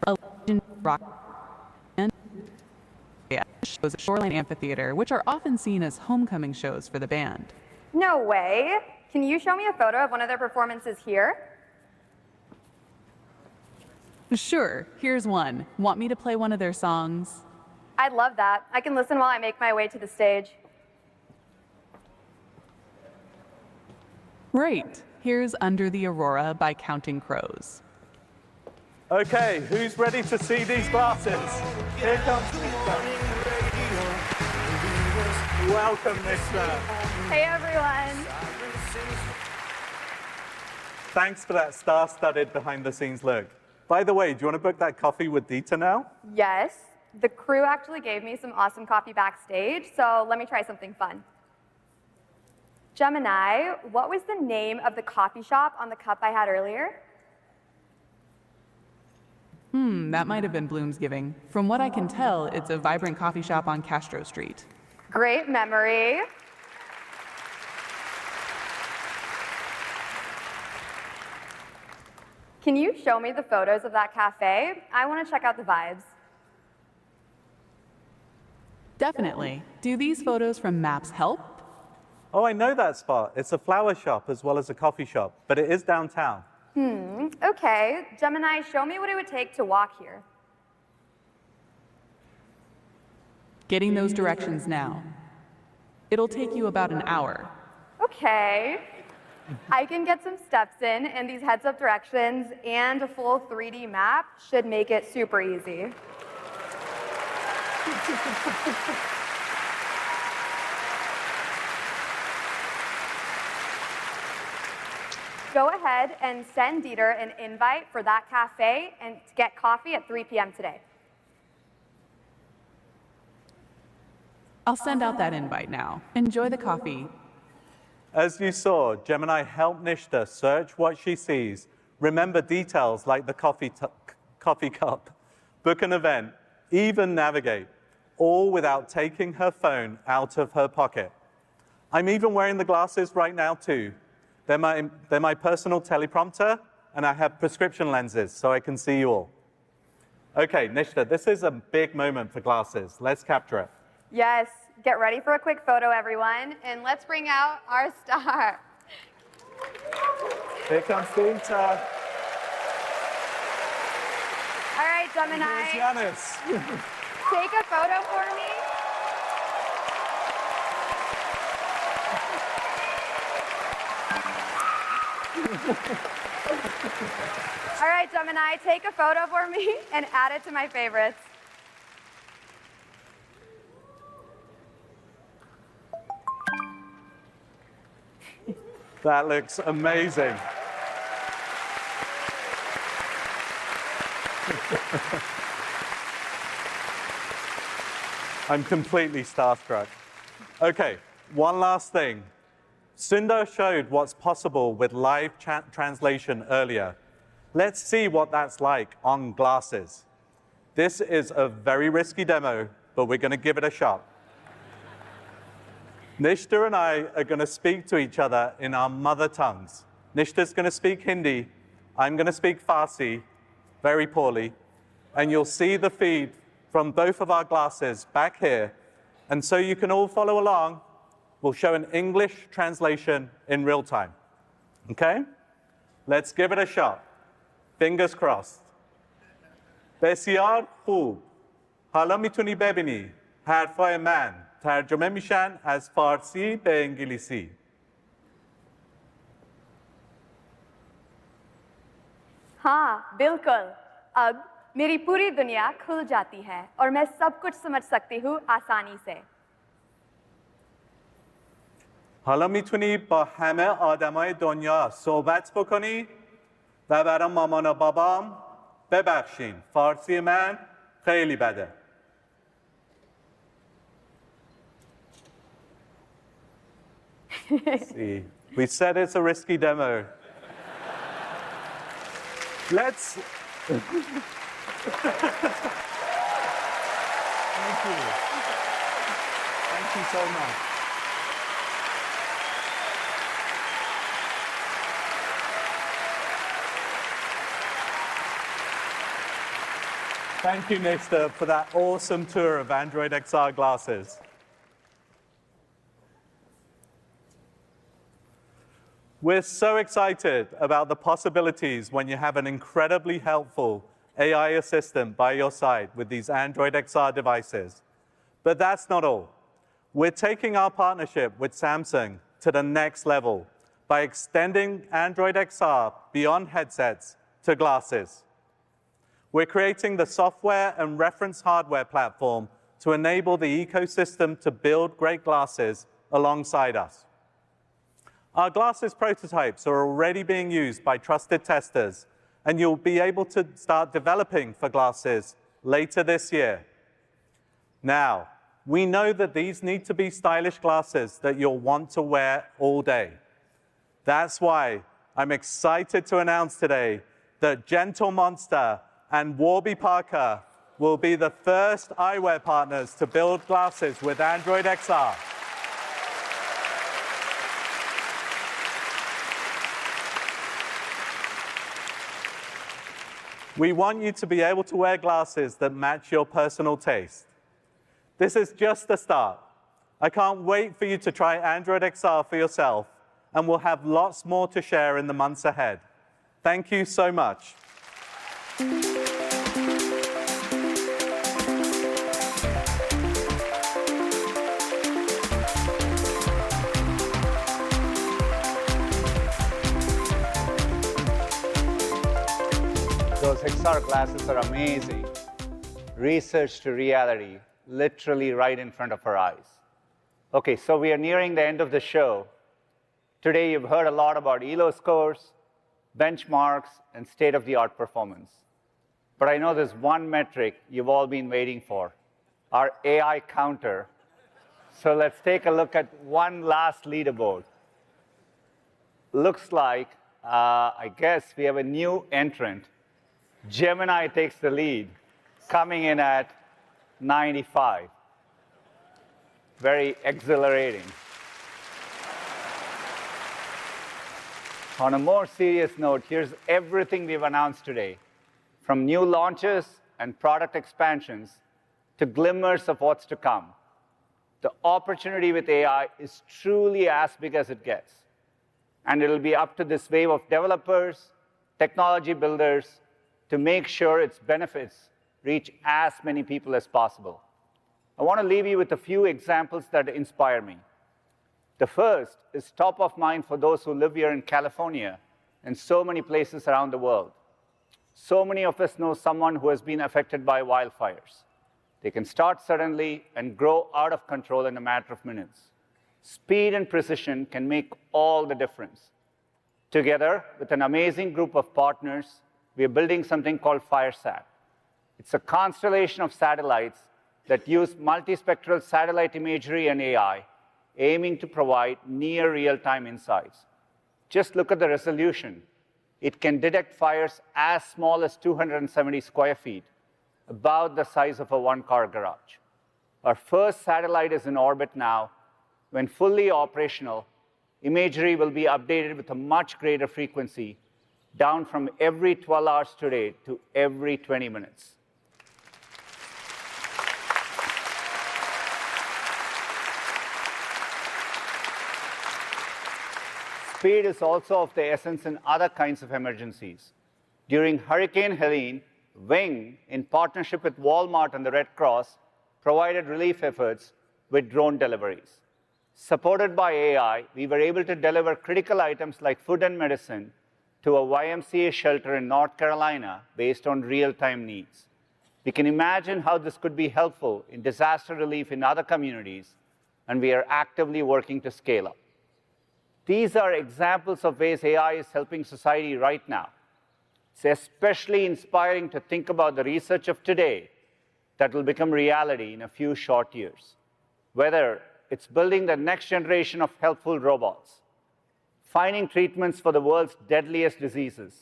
The band shows at Shoreline Amphitheater, which are often seen as homecoming shows for the band. No way. Can you show me a photo of one of their performances here? Sure. Here's one. Want me to play one of their songs? I'd love that. I can listen while I make my way to the stage. Right. Here's "Under the Aurora" by Counting Crows. OK, who's ready to see these glasses? Here comes the funny radio. Welcome, Nishtha. Hey, everyone. Thanks for that star-studded behind-the-scenes look. By the way, do you want to book that coffee with Dieter now? Yes. The crew actually gave me some awesome coffee backstage, so let me try something fun. Gemini, what was the name of the coffee shop on the cup I had earlier? That might have been Bloomsgiving. From what I can tell, it's a vibrant coffee shop on Castro Street. Great memory. Can you show me the photos of that cafe? I want to check out the vibes. Definitely. Do these photos from maps help? Oh, I know that spot. It's a flower shop as well as a coffee shop, but it is downtown. OK. Gemini, show me what it would take to walk here. Getting those directions now. It'll take you about an hour. OK. I can get some steps in, and these heads-up directions and a full 3D map should make it super easy. Go ahead and send Dieter an invite for that cafe and get coffee at 3:00 p.m. today. I'll send out that invite now. Enjoy the coffee. As you saw, Gemini helped Nishtha search what she sees, remember details like the coffee cup, book an event, even navigate, all without taking her phone out of her pocket. I'm even wearing the glasses right now, too. They're my personal teleprompter, and I have prescription lenses, so I can see you all. OK, Nishtha, this is a big moment for glasses. Let's capture it. Yes. Get ready for a quick photo, everyone, and let's bring out our star. Here comes Dieter. All right, Gemini. Here's Giannis. Take a photo for me. All right, Gemini, take a photo for me and add it to my favorites. That looks amazing. I'm completely starstruck. OK, one last thing. Sundar showed what's possible with live chat translation earlier. Let's see what that's like on glasses. This is a very risky demo, but we're going to give it a shot. Nishtha and I are going to speak to each other in our mother tongues. Nishtha is going to speak Hindi. I'm going to speak Farsi very poorly. You'll see the feed from both of our glasses back here. You can all follow along. We'll show an English translation in real time. OK? Let's give it a shot. Fingers crossed. بسیار خوب. حالا می‌تونی ببینی هر فایل من ترجمه می‌شه از فارسی به انگلیسی. हाँ, बिल्कुल। अब मेरी पूरी दुनिया खुल जाती है और मैं सब कुछ समझ सकती हूँ आसानी से। حالا می‌تونی با همه آدم‌های دنیا صحبت بکنی و برای مامان و بابام ببخشین، فارسی من خیلی بده. We said it's a risky demo. Thank you. Thank you so much. Thank you, Nishtha, for that awesome tour of Android XR glasses. We're so excited about the possibilities when you have an incredibly helpful AI assistant by your side with these Android XR devices. But that's not all. We're taking our partnership with Samsung to the next level by extending Android XR beyond headsets to glasses. We're creating the software and reference hardware platform to enable the ecosystem to build great glasses alongside us. Our glasses prototypes are already being used by trusted testers, and you'll be able to start developing for glasses later this year. Now, we know that these need to be stylish glasses that you'll want to wear all day. That's why I'm excited to announce today that Gentle Monster and Warby Parker will be the first eyewear partners to build glasses with Android XR. We want you to be able to wear glasses that match your personal taste. This is just the start. I can't wait for you to try Android XR for yourself, and we'll have lots more to share in the months ahead. Thank you so much. Those Android XR glasses are amazing. Research to reality, literally right in front of her eyes. We are nearing the end of the show. Today, you've heard a lot about elo scores, benchmarks, and state-of-the-art performance. I know there's one metric you've all been waiting for: our AI counter. Let's take a look at one last leaderboard. Looks like we have a new entrant. Gemini takes the lead, coming in at 95. Very exhilarating. On a more serious note, here's everything we've announced today, from new launches and product expansions to glimmers of what's to come. The opportunity with AI is truly as big as it gets. It'll be up to this wave of developers, technology builders, to make sure its benefits reach as many people as possible. I want to leave you with a few examples that inspire me. The first is top of mind for those who live here in California and so many places around the world. So many of us know someone who has been affected by wildfires. They can start suddenly and grow out of control in a matter of minutes. Speed and precision can make all the difference. Together with an amazing group of partners, we are building something called FireSat. It's a constellation of satellites that use multispectral satellite imagery and AI, aiming to provide near-real-time insights. Just look at the resolution. It can detect fires as small as 270 sq ft, about the size of a one-car garage. Our first satellite is in orbit now. When fully operational, imagery will be updated with a much greater frequency, down from every 12 hours today to every 20 minutes. Speed is also of the essence in other kinds of emergencies. During Hurricane Helene, Wing, in partnership with Walmart and the Red Cross, provided relief efforts with drone deliveries. Supported by AI, we were able to deliver critical items like food and medicine to a YMCA shelter in North Carolina based on real-time needs. You can imagine how this could be helpful in disaster relief in other communities, and we are actively working to scale up. These are examples of ways AI is helping society right now. It's especially inspiring to think about the research of today that will become reality in a few short years, whether it's building the next generation of helpful robots, finding treatments for the world's deadliest diseases,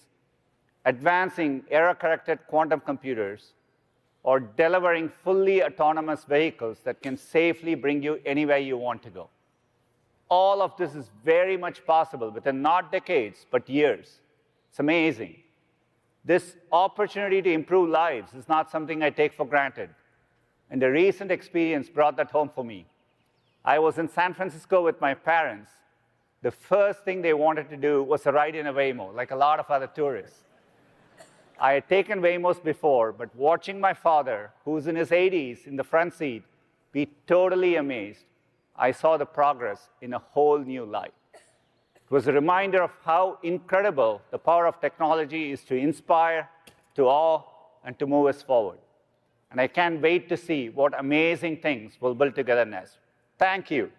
advancing error-corrected quantum computers, or delivering fully autonomous vehicles that can safely bring you anywhere you want to go. All of this is very much possible within not decades, but years. It's amazing. This opportunity to improve lives is not something I take for granted. The recent experience brought that home for me. I was in San Francisco with my parents. The first thing they wanted to do was a ride in a Waymo, like a lot of other tourists. I had taken Waymos before, but watching my father, who's in his 80s in the front seat, be totally amazed, I saw the progress in a whole new light. It was a reminder of how incredible the power of technology is to inspire, to awe and to move us forward. I can't wait to see what amazing things we'll build together next. Thank you.